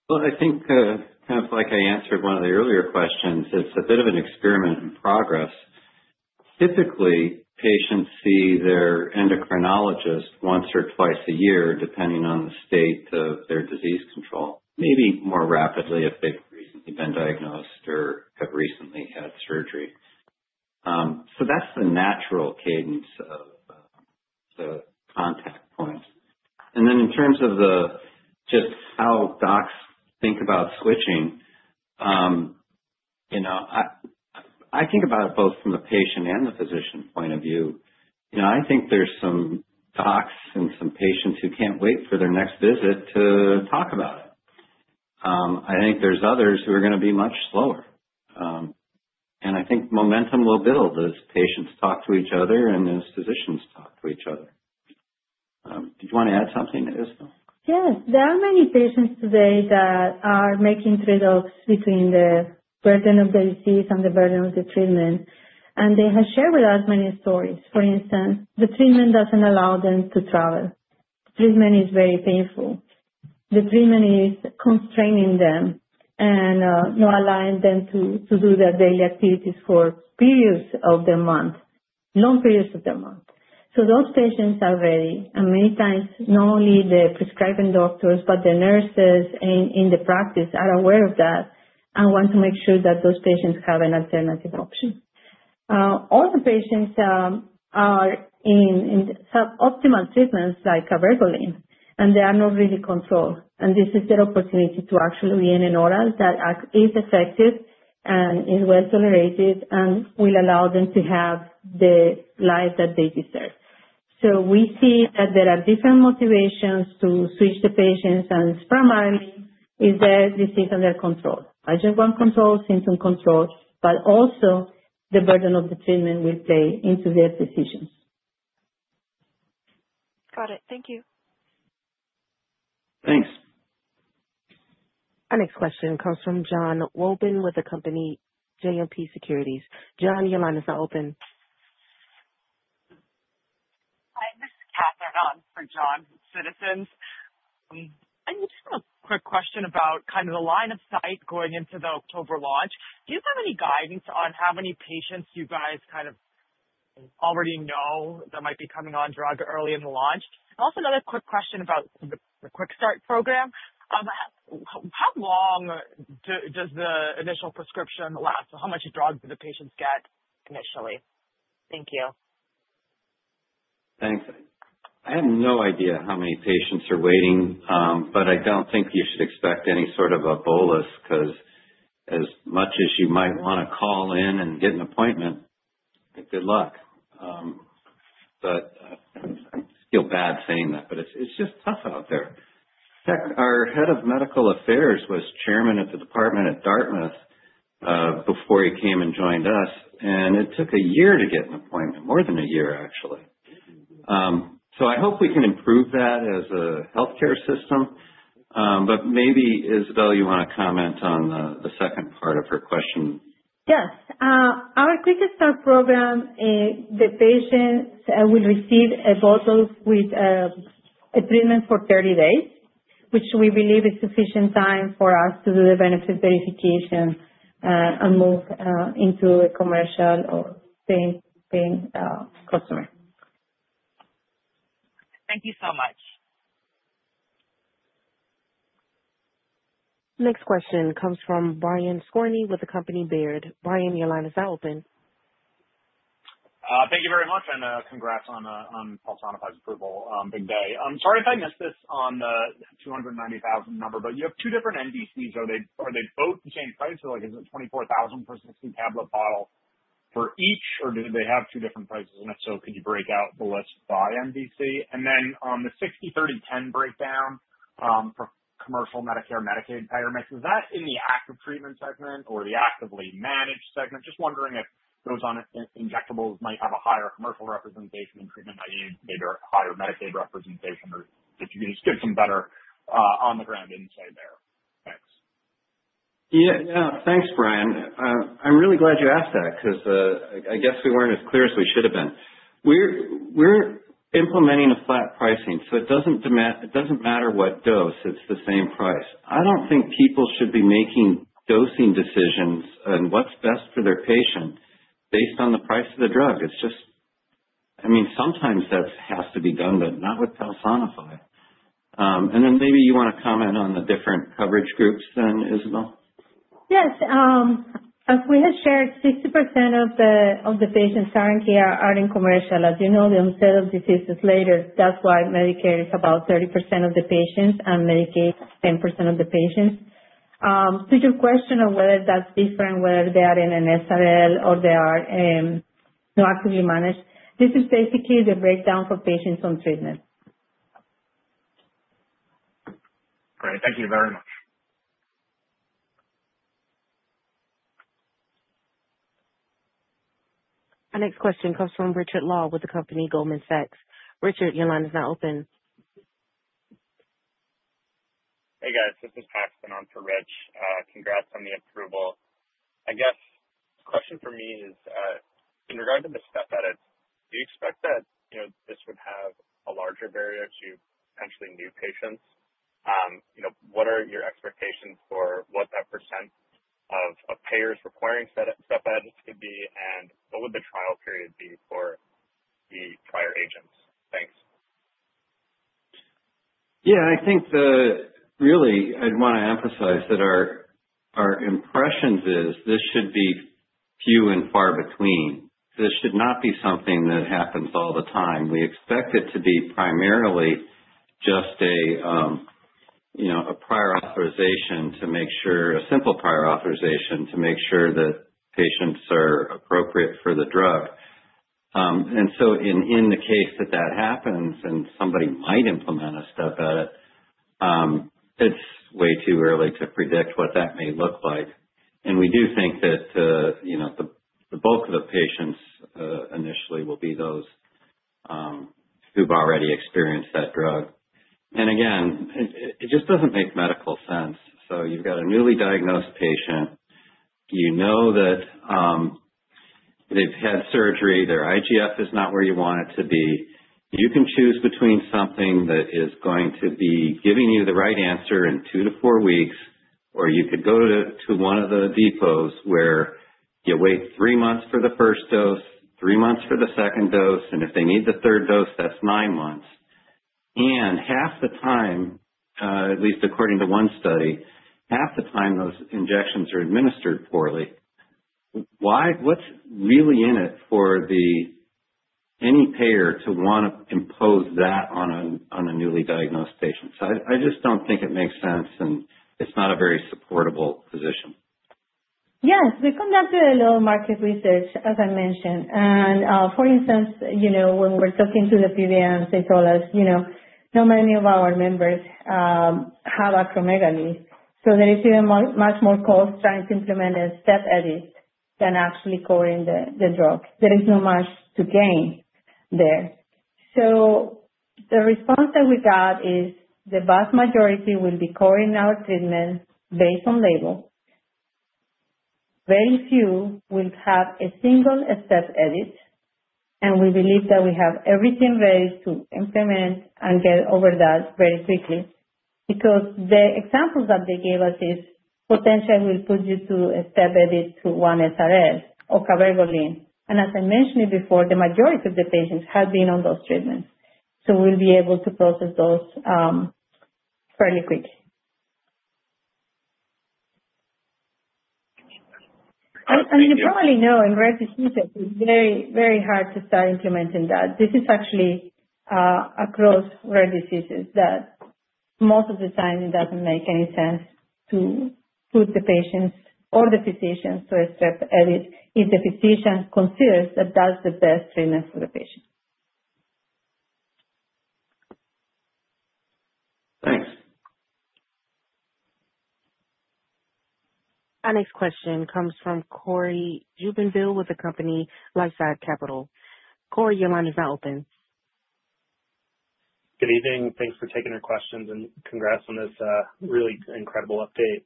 Well, I think kind of like I answered one of the earlier questions, it's a bit of an experiment in progress. Typically, patients see their endocrinologist once or twice a year, depending on the state of their disease control, maybe more rapidly if they've recently been diagnosed or have recently had surgery. So that's the natural cadence of the contact points. And then in terms of just how docs think about switching, I think about it both from the patient and the physician point of view. I think there's some docs and some patients who can't wait for their next visit to talk about it. I think there's others who are going to be much slower. And I think momentum will build as patients talk to each other and as physicians talk to each other. Did you want to add something, Isabel? Yes. There are many patients today that are making trade-offs between the burden of the disease and the burden of the treatment. And they have shared with us many stories. For instance, the treatment doesn't allow them to travel. The treatment is very painful. The treatment is constraining them and not allowing them to do their daily activities for periods of their month, long periods of their month. So those patients are ready. Many times, not only the prescribing doctors, but the nurses in the practice are aware of that and want to make sure that those patients have an alternative option. All the patients are in suboptimal treatments like cabergoline, and they are not really controlled. This is their opportunity to actually be in an oral that is effective and is well tolerated and will allow them to have the life that they deserve. We see that there are different motivations to switch the patients, and primarily it's their disease under control, adjuvant control, symptom control, but also the burden of the treatment will play into their decisions. Got it. Thank you. Thanks. Our next question comes from Jon Wolleben with the company JMP Securities. Jon, your line is now open. Hi. This is Catherine on for Jonathan Wolleben. I just have a quick question about kind of the line of sight going into the October launch. Do you have any guidance on how many patients you guys kind of already know that might be coming on drug early in the launch? And also another quick question about the QuickStart program. How long does the initial prescription last? So how much drug do the patients get initially? Thank you. Thanks. I have no idea how many patients are waiting, but I don't think you should expect any sort of a bolus because as much as you might want to call in and get an appointment, good luck. But I feel bad saying that, but it's just tough out there. In fact, our head of medical affairs was chairman of the department at Dartmouth before he came and joined us, and it took a year to get an appointment, more than a year, actually. So I hope we can improve that as a healthcare system. But maybe, Isabel, you want to comment on the second part of her question. Yes. Our QuickStart program, the patients will receive a bottle with a treatment for 30 days, which we believe is sufficient time for us to do the benefit verification and move into a commercial or paying customer. Thank you so much. Next question comes from Brian Skorney with the company Baird. Brian, your line is now open. Thank you very much, and congrats on Palsonify's approval. Big day. I'm sorry if I missed this on the $290,000 number, but you have two different NDCs. Are they both the same price? Is it $24,000 for a 60-tablet bottle for each, or do they have two different prices? And if so, could you break out the list by NDC? And then the 60/30/10 breakdown for commercial Medicare/Medicaid payer mix, is that in the active treatment segment or the actively managed segment? Just wondering if those injectables might have a higher commercial representation in treatment, i.e., maybe a higher Medicaid representation, or if you can just get some better on-the-ground insight there. Thanks. Yeah. Thanks, Brian. I'm really glad you asked that because I guess we weren't as clear as we should have been. We're implementing a flat pricing, so it doesn't matter what dose. It's the same price. I don't think people should be making dosing decisions on what's best for their patient based on the price of the drug. It's just, I mean, sometimes that has to be done, but not with Palsonify. And then maybe you want to comment on the different coverage groups then, Isabel? Yes. As we have shared, 60% of the patients currently are in commercial. As you know, the onset of disease is later. That's why Medicare is about 30% of the patients and Medicaid 10% of the patients. To your question on whether that's different, whether they are in an SRL or they are actively managed, this is basically the breakdown for patients on treatment. Great. Thank you very much. Our next question comes from Richard Law with the company Goldman Sachs. Richard, your line is now open. Hey, guys. This is Paxton on for Rich. Congrats on the approval. I guess the question for me is, in regard to the step edits, do you expect that this would have a larger barrier to potentially new patients? What are your expectations for what that percent of payers requiring step edits could be, and what would the trial period be for the prior agents? Thanks. Yeah. I think really I'd want to emphasize that our impression is this should be few and far between. This should not be something that happens all the time. We expect it to be primarily just a prior authorization to make sure that patients are appropriate for the drug. And so in the case that that happens and somebody might implement a step edit, it's way too early to predict what that may look like. We do think that the bulk of the patients initially will be those who've already experienced that drug. And again, it just doesn't make medical sense. You've got a newly diagnosed patient. You know that they've had surgery. Their IGF is not where you want it to be. You can choose between something that is going to be giving you the right answer in two to four weeks, or you could go to one of the depots where you wait three months for the first dose, three months for the second dose, and if they need the third dose, that's nine months. And half the time, at least according to one study, half the time those injections are administered poorly. What's really in it for any payer to want to impose that on a newly diagnosed patient? So I just don't think it makes sense, and it's not a very supportable position. Yes. We conducted a lot of market research, as I mentioned. And for instance, when we're talking to the PBMs, they told us not many of our members have acromegaly. So there is even much more cost trying to implement a step edit than actually covering the drug. There is not much to gain there. So the response that we got is the vast majority will be covering our treatment based on label. Very few will have a single step edit, and we believe that we have everything ready to implement and get over that very quickly because the examples that they gave us is potentially will put you to a step edit to one SRL or cabergoline. And as I mentioned before, the majority of the patients have been on those treatments. So we'll be able to process those fairly quickly, and you probably know in rare diseases, it's very, very hard to start implementing that. This is actually across rare diseases that most of the time it doesn't make any sense to put the patients or the physicians to a step edit if the physician considers that that's the best treatment for the patient. Thanks. Our next question comes from Cory Jubinville with the company LifeSci Capital. Cory, your line is now open. Good evening. Thanks for taking our questions, and congrats on this really incredible update.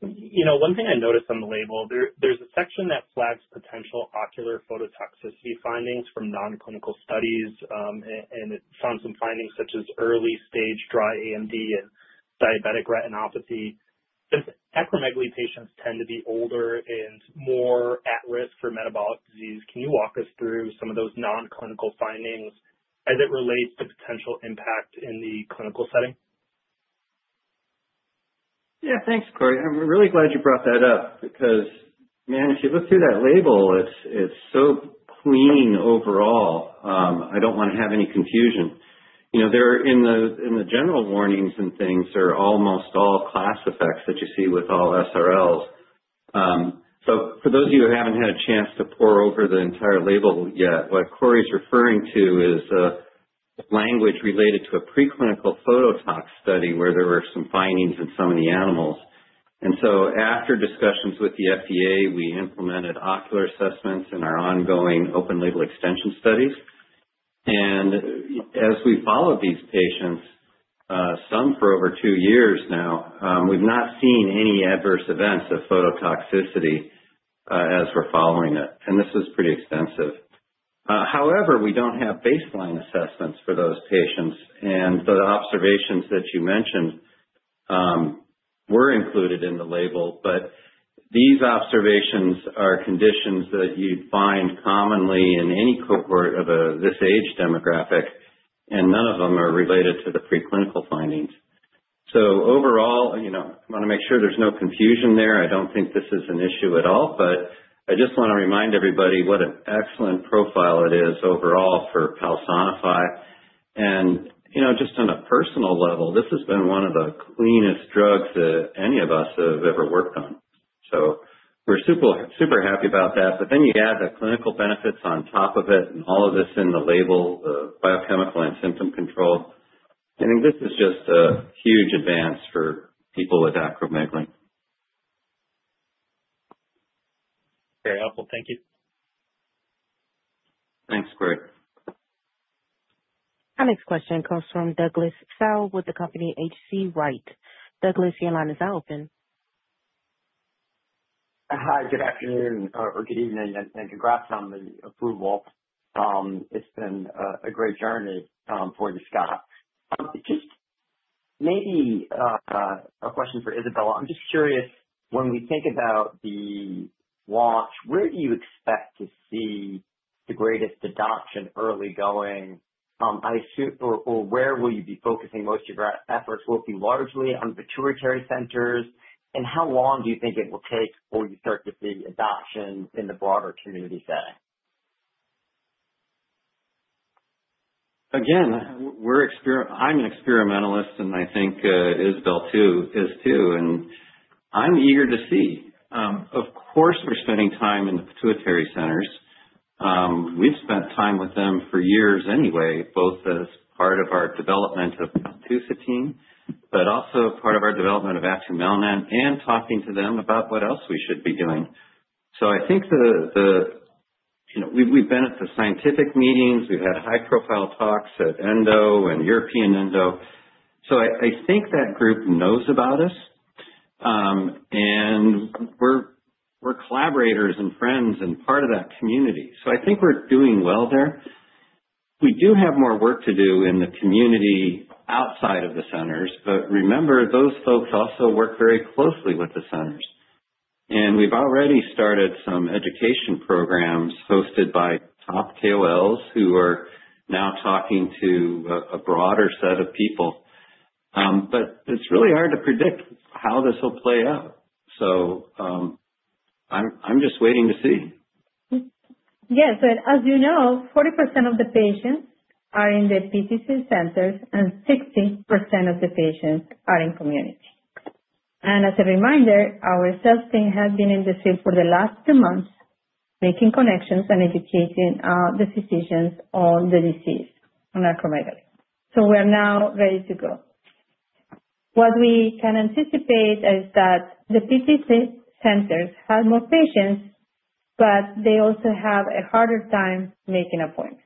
One thing I noticed on the label, there's a section that flags potential ocular phototoxicity findings from nonclinical studies, and it found some findings such as early-stage dry AMD and diabetic retinopathy. Acromegaly patients tend to be older and more at risk for metabolic disease. Can you walk us through some of those nonclinical findings as it relates to potential impact in the clinical setting? Yeah. Thanks, Cory. I'm really glad you brought that up because, man, if you look through that label, it's so clean overall. I don't want to have any confusion. In the general warnings and things, they're almost all class effects that you see with all SRLs. So for those of you who haven't had a chance to pore over the entire label yet, what Cory is referring to is language related to a preclinical phototox study where there were some findings in some of the animals. And so after discussions with the FDA, we implemented ocular assessments in our ongoing open-label extension studies. And as we followed these patients, some for over two years now, we've not seen any adverse events of phototoxicity as we're following it. This is pretty extensive. However, we don't have baseline assessments for those patients. The observations that you mentioned were included in the label, but these observations are conditions that you'd find commonly in any cohort of this age demographic, and none of them are related to the preclinical findings. Overall, I want to make sure there's no confusion there. I don't think this is an issue at all, but I just want to remind everybody what an excellent profile it is overall for Palsonify. Just on a personal level, this has been one of the cleanest drugs that any of us have ever worked on. We're super happy about that. Then you add the clinical benefits on top of it and all of this in the label, the biochemical and symptom control. I think this is just a huge advance for people with acromegaly. Very helpful. Thank you. Thanks, Cory. Our next question comes from Douglas Tsao with the company H.C. Wainwright. Douglas, your line is now open. Hi. Good afternoon or good evening, and congrats on the approval. It's been a great journey for you, Scott. Just maybe a question for Isabel. I'm just curious, when we think about the launch, where do you expect to see the greatest adoption early going? Or where will you be focusing most of your efforts? Will it be largely on pituitary centers? And how long do you think it will take before you start to see adoption in the broader community setting? Again, I'm an experimentalist, and I think Isabel is too. And I'm eager to see. Of course, we're spending time in the pituitary centers. We've spent time with them for years anyway, both as part of our development of paltusotine, but also part of our development of acromegaly and talking to them about what else we should be doing, so I think we've been at the scientific meetings. We've had high-profile talks at ENDO and European ENDO, so I think that group knows about us, and we're collaborators and friends and part of that community, so I think we're doing well there. We do have more work to do in the community outside of the centers, but remember, those folks also work very closely with the centers, and we've already started some education programs hosted by top KOLs who are now talking to a broader set of people, but it's really hard to predict how this will play out, so I'm just waiting to see. Yes. And as you know, 40% of the patients are in the PTC centers, and 60% of the patients are in community. And as a reminder, our sales team has been in the field for the last two months making connections and educating the physicians on the disease, on acromegaly. So we are now ready to go. What we can anticipate is that the PTC centers have more patients, but they also have a harder time making appointments.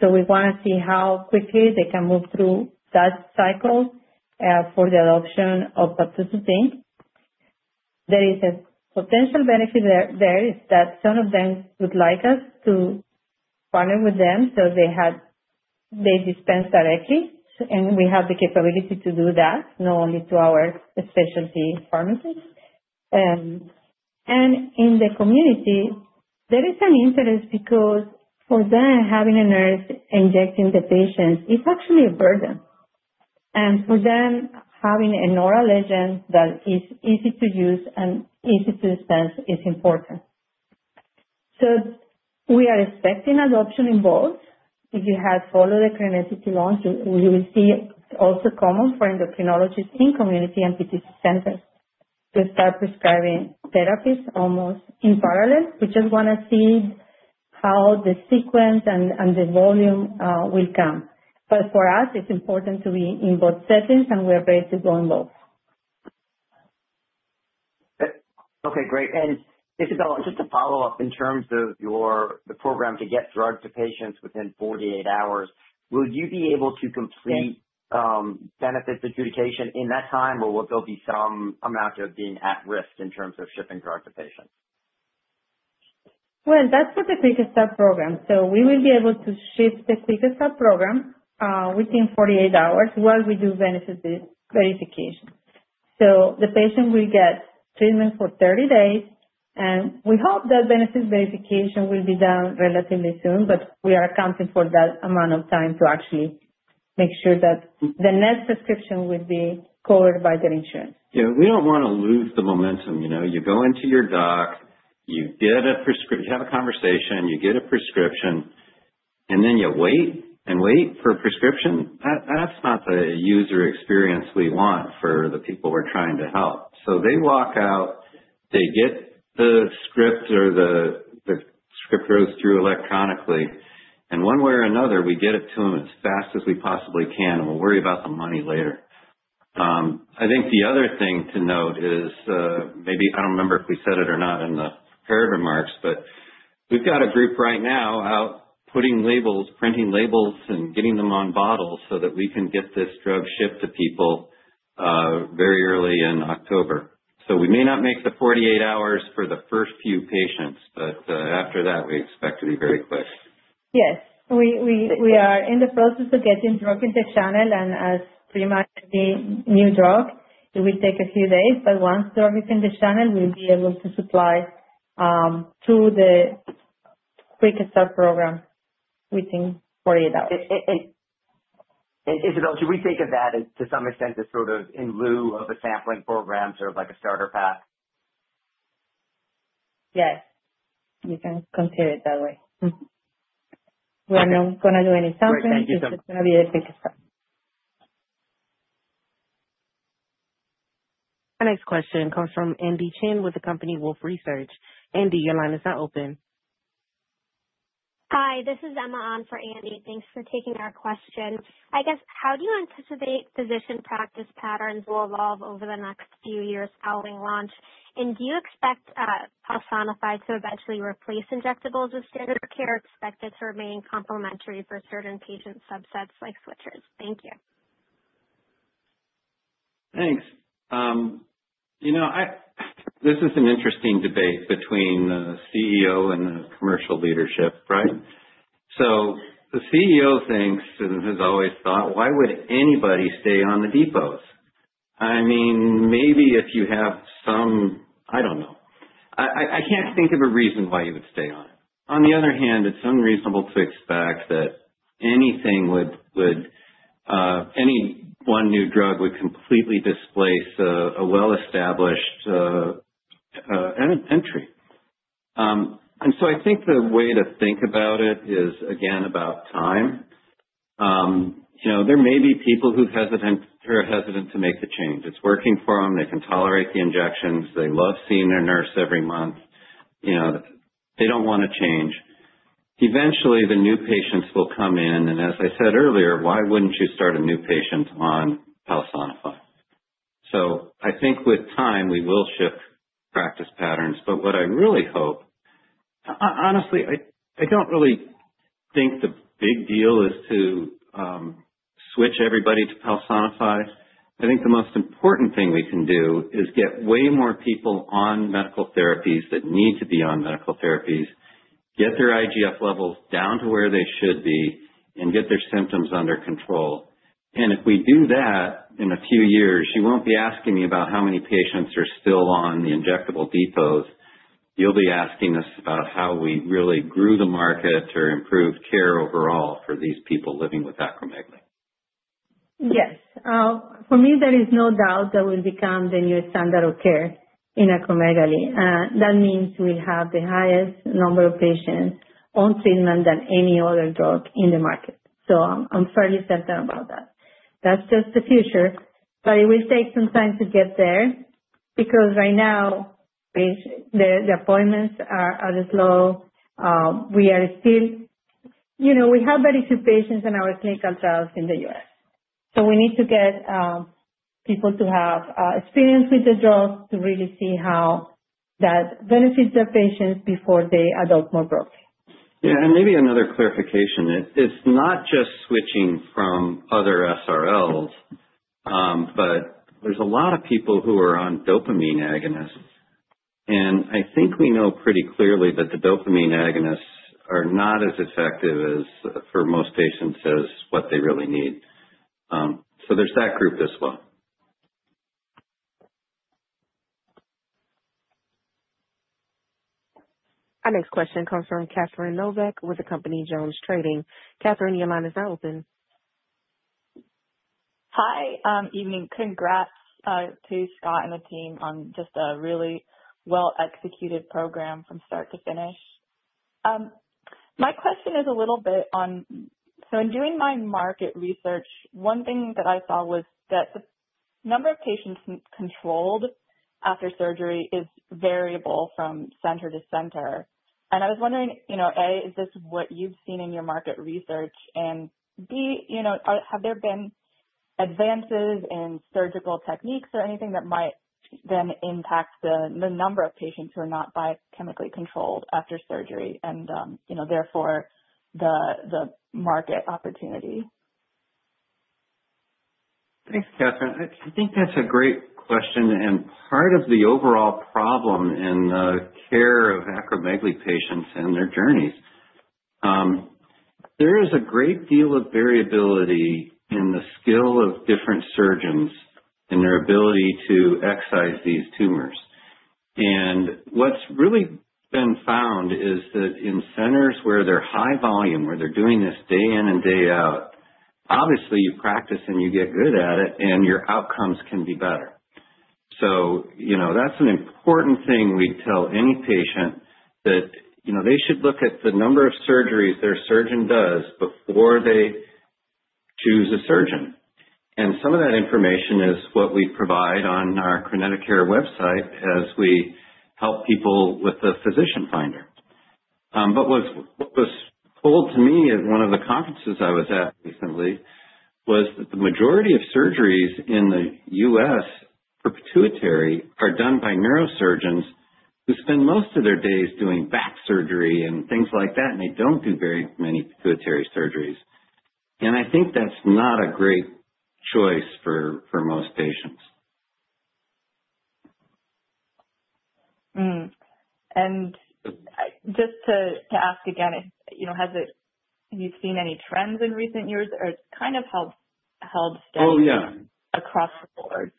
So we want to see how quickly they can move through that cycle for the adoption of paltusotine. There is a potential benefit there, that some of them would like us to partner with them so they dispense directly, and we have the capability to do that, not only to our specialty pharmacies. and in the community, there is an interest because for them, having a nurse injecting the patients, it's actually a burden. And for them, having an oral agent that is easy to use and easy to dispense is important. So we are expecting adoption in both. If you have followed the Mycapssa launch, you will see also common for endocrinologists in community and PTC centers to start prescribing therapies almost in parallel. We just want to see how the sequence and the volume will come. But for us, it's important to be in both settings, and we are ready to go in both. Okay. Great. Isabel, just to follow up in terms of the program to get drug to patients within 48 hours, will you be able to complete benefits adjudication in that time, or will there be some amount of being at risk in terms of shipping drug to patients? Well, that's for the QuickStart program. So we will be able to ship the QuickStart program within 48 hours while we do benefits verification. So the patient will get treatment for 30 days, and we hope that benefits verification will be done relatively soon, but we are accounting for that amount of time to actually make sure that the next prescription will be covered by their insurance. Yeah. We don't want to lose the momentum. You go into your doc, you have a conversation, you get a prescription, and then you wait and wait for a prescription. That's not the user experience we want for the people we're trying to help. So they walk out, they get the script or the script goes through electronically, and one way or another, we get it to them as fast as we possibly can, and we'll worry about the money later. I think the other thing to note is maybe I don't remember if we said it or not in the prepared remarks, but we've got a group right now out putting labels, printing labels, and getting them on bottles so that we can get this drug shipped to people very early in October. So we may not make the 48 hours for the first few patients, but after that, we expect to be very quick. Yes. We are in the process of getting drug into channel, and as pretty much the new drug, it will take a few days. But once drug is in the channel, we'll be able to supply to the QuickStart program within 48 hours. Isabel, should we think of that to some extent as sort of in lieu of a sampling program, sort of like a starter pack? Yes. You can consider it that way. We are not going to do any sampling. Thank you so much. It's going to be the QuickStart. Our next question comes from Andy Chen with the company Wolfe Research. Andy, your line is now open. Hi. This is Emma on for Andy. Thanks for taking our question. I guess, how do you anticipate physician practice patterns will evolve over the next few years following launch? And do you expect Palsonify to eventually replace injectables with standard of care expected to remain complementary for certain patient subsets like switchers? Thank you. Thanks. This is an interesting debate between the CEO and the commercial leadership, right? So the CEO thinks and has always thought, "Why would anybody stay on the depots?" I mean, maybe if you have some—I don't know. I can't think of a reason why you would stay on it. On the other hand, it's unreasonable to expect that any one new drug would completely displace a well-established entry. And so I think the way to think about it is, again, about time. There may be people who are hesitant to make the change. It's working for them. They can tolerate the injections. They love seeing their nurse every month. They don't want to change. Eventually, the new patients will come in, and as I said earlier, why wouldn't you start a new patient on Palsonify? So I think with time, we will shift practice patterns. But what I really hope, honestly, I don't really think the big deal is to switch everybody to Palsonify. I think the most important thing we can do is get way more people on medical therapies that need to be on medical therapies, get their IGF levels down to where they should be, and get their symptoms under control. And if we do that in a few years, you won't be asking me about how many patients are still on the injectable depots. You'll be asking us about how we really grew the market or improved care overall for these people living with acromegaly. Yes. For me, there is no doubt that we'll become the new standard of care in acromegaly. That means we'll have the highest number of patients on treatment than any other drug in the market. So I'm fairly certain about that. That's just the future, but it will take some time to get there because right now, the appointments are slow. We are still. We have very few patients in our clinical trials in the U.S. So we need to get people to have experience with the drug to really see how that benefits the patients before they adopt more broadly. Yeah. And maybe another clarification. It's not just switching from other SRLs, but there's a lot of people who are on dopamine agonists. And I think we know pretty clearly that the dopamine agonists are not as effective for most patients as what they really need. So there's that group as well. Our next question comes from Catherine Novack with the company JonesTrading. Catherine, your line is now open. Hi. Evening. Congrats to Scott and the team on just a really well-executed program from start to finish. My question is a little bit on—so in doing my market research, one thing that I saw was that the number of patients controlled after surgery is variable from center to center. And I was wondering, A, is this what you've seen in your market research? And B, have there been advances in surgical techniques or anything that might then impact the number of patients who are not biochemically controlled after surgery and therefore the market opportunity? Thanks, Catherine. I think that's a great question. And part of the overall problem in the care of acromegaly patients and their journeys, there is a great deal of variability in the skill of different surgeons and their ability to excise these tumors. What's really been found is that in centers where they're high volume, where they're doing this day in and day out, obviously, you practice and you get good at it, and your outcomes can be better. So that's an important thing we tell any patient that they should look at the number of surgeries their surgeon does before they choose a surgeon. And some of that information is what we provide on our Crinetics Care website as we help people with the Physician Finder. But what was told to me at one of the conferences I was at recently was that the majority of surgeries in the U.S. for pituitary are done by neurosurgeons who spend most of their days doing back surgery and things like that, and they don't do very many pituitary surgeries. And I think that's not a great choice for most patients. Just to ask again, have you seen any trends in recent years? Or is it kind of held steady across the board?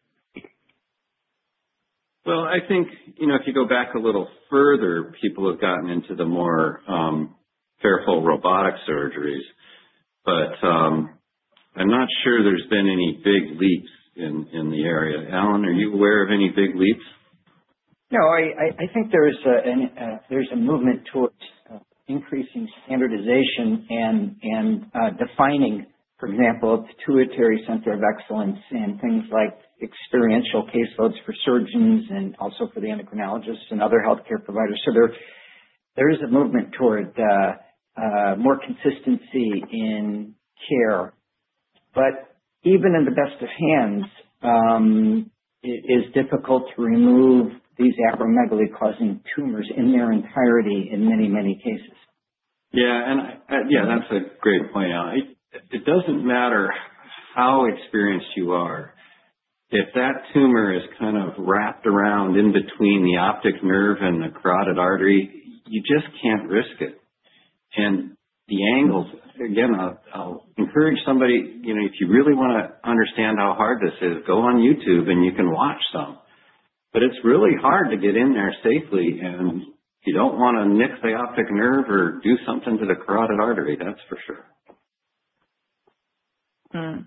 Well, I think if you go back a little further, people have gotten into the more feasible robotic surgeries. But I'm not sure there's been any big leaps in the area. Alan, are you aware of any big leaps? No. I think there's a movement towards increasing standardization and defining, for example, a Pituitary Center of Excellence and things like experiential caseloads for surgeons and also for the endocrinologists and other healthcare providers. So there is a movement toward more consistency in care. But even in the best of hands, it is difficult to remove these acromegaly-causing tumors in their entirety in many, many cases. Yeah. And yeah, that's a great point. It doesn't matter how experienced you are. If that tumor is kind of wrapped around in between the optic nerve and the carotid artery, you just can't risk it. And the angles, again, I'll encourage somebody, if you really want to understand how hard this is, go on YouTube and you can watch some. But it's really hard to get in there safely, and you don't want to nick the optic nerve or do something to the carotid artery, that's for sure.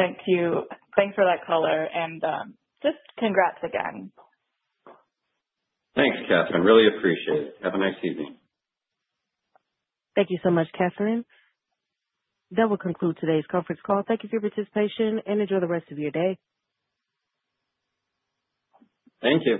Thank you. Thanks for that color. And just congrats again. Thanks, Catherine. Really appreciate it. Have a nice evening. Thank you so much, Catherine. That will conclude today's conference call. Thank you for your participation and enjoy the rest of your day. Thank you.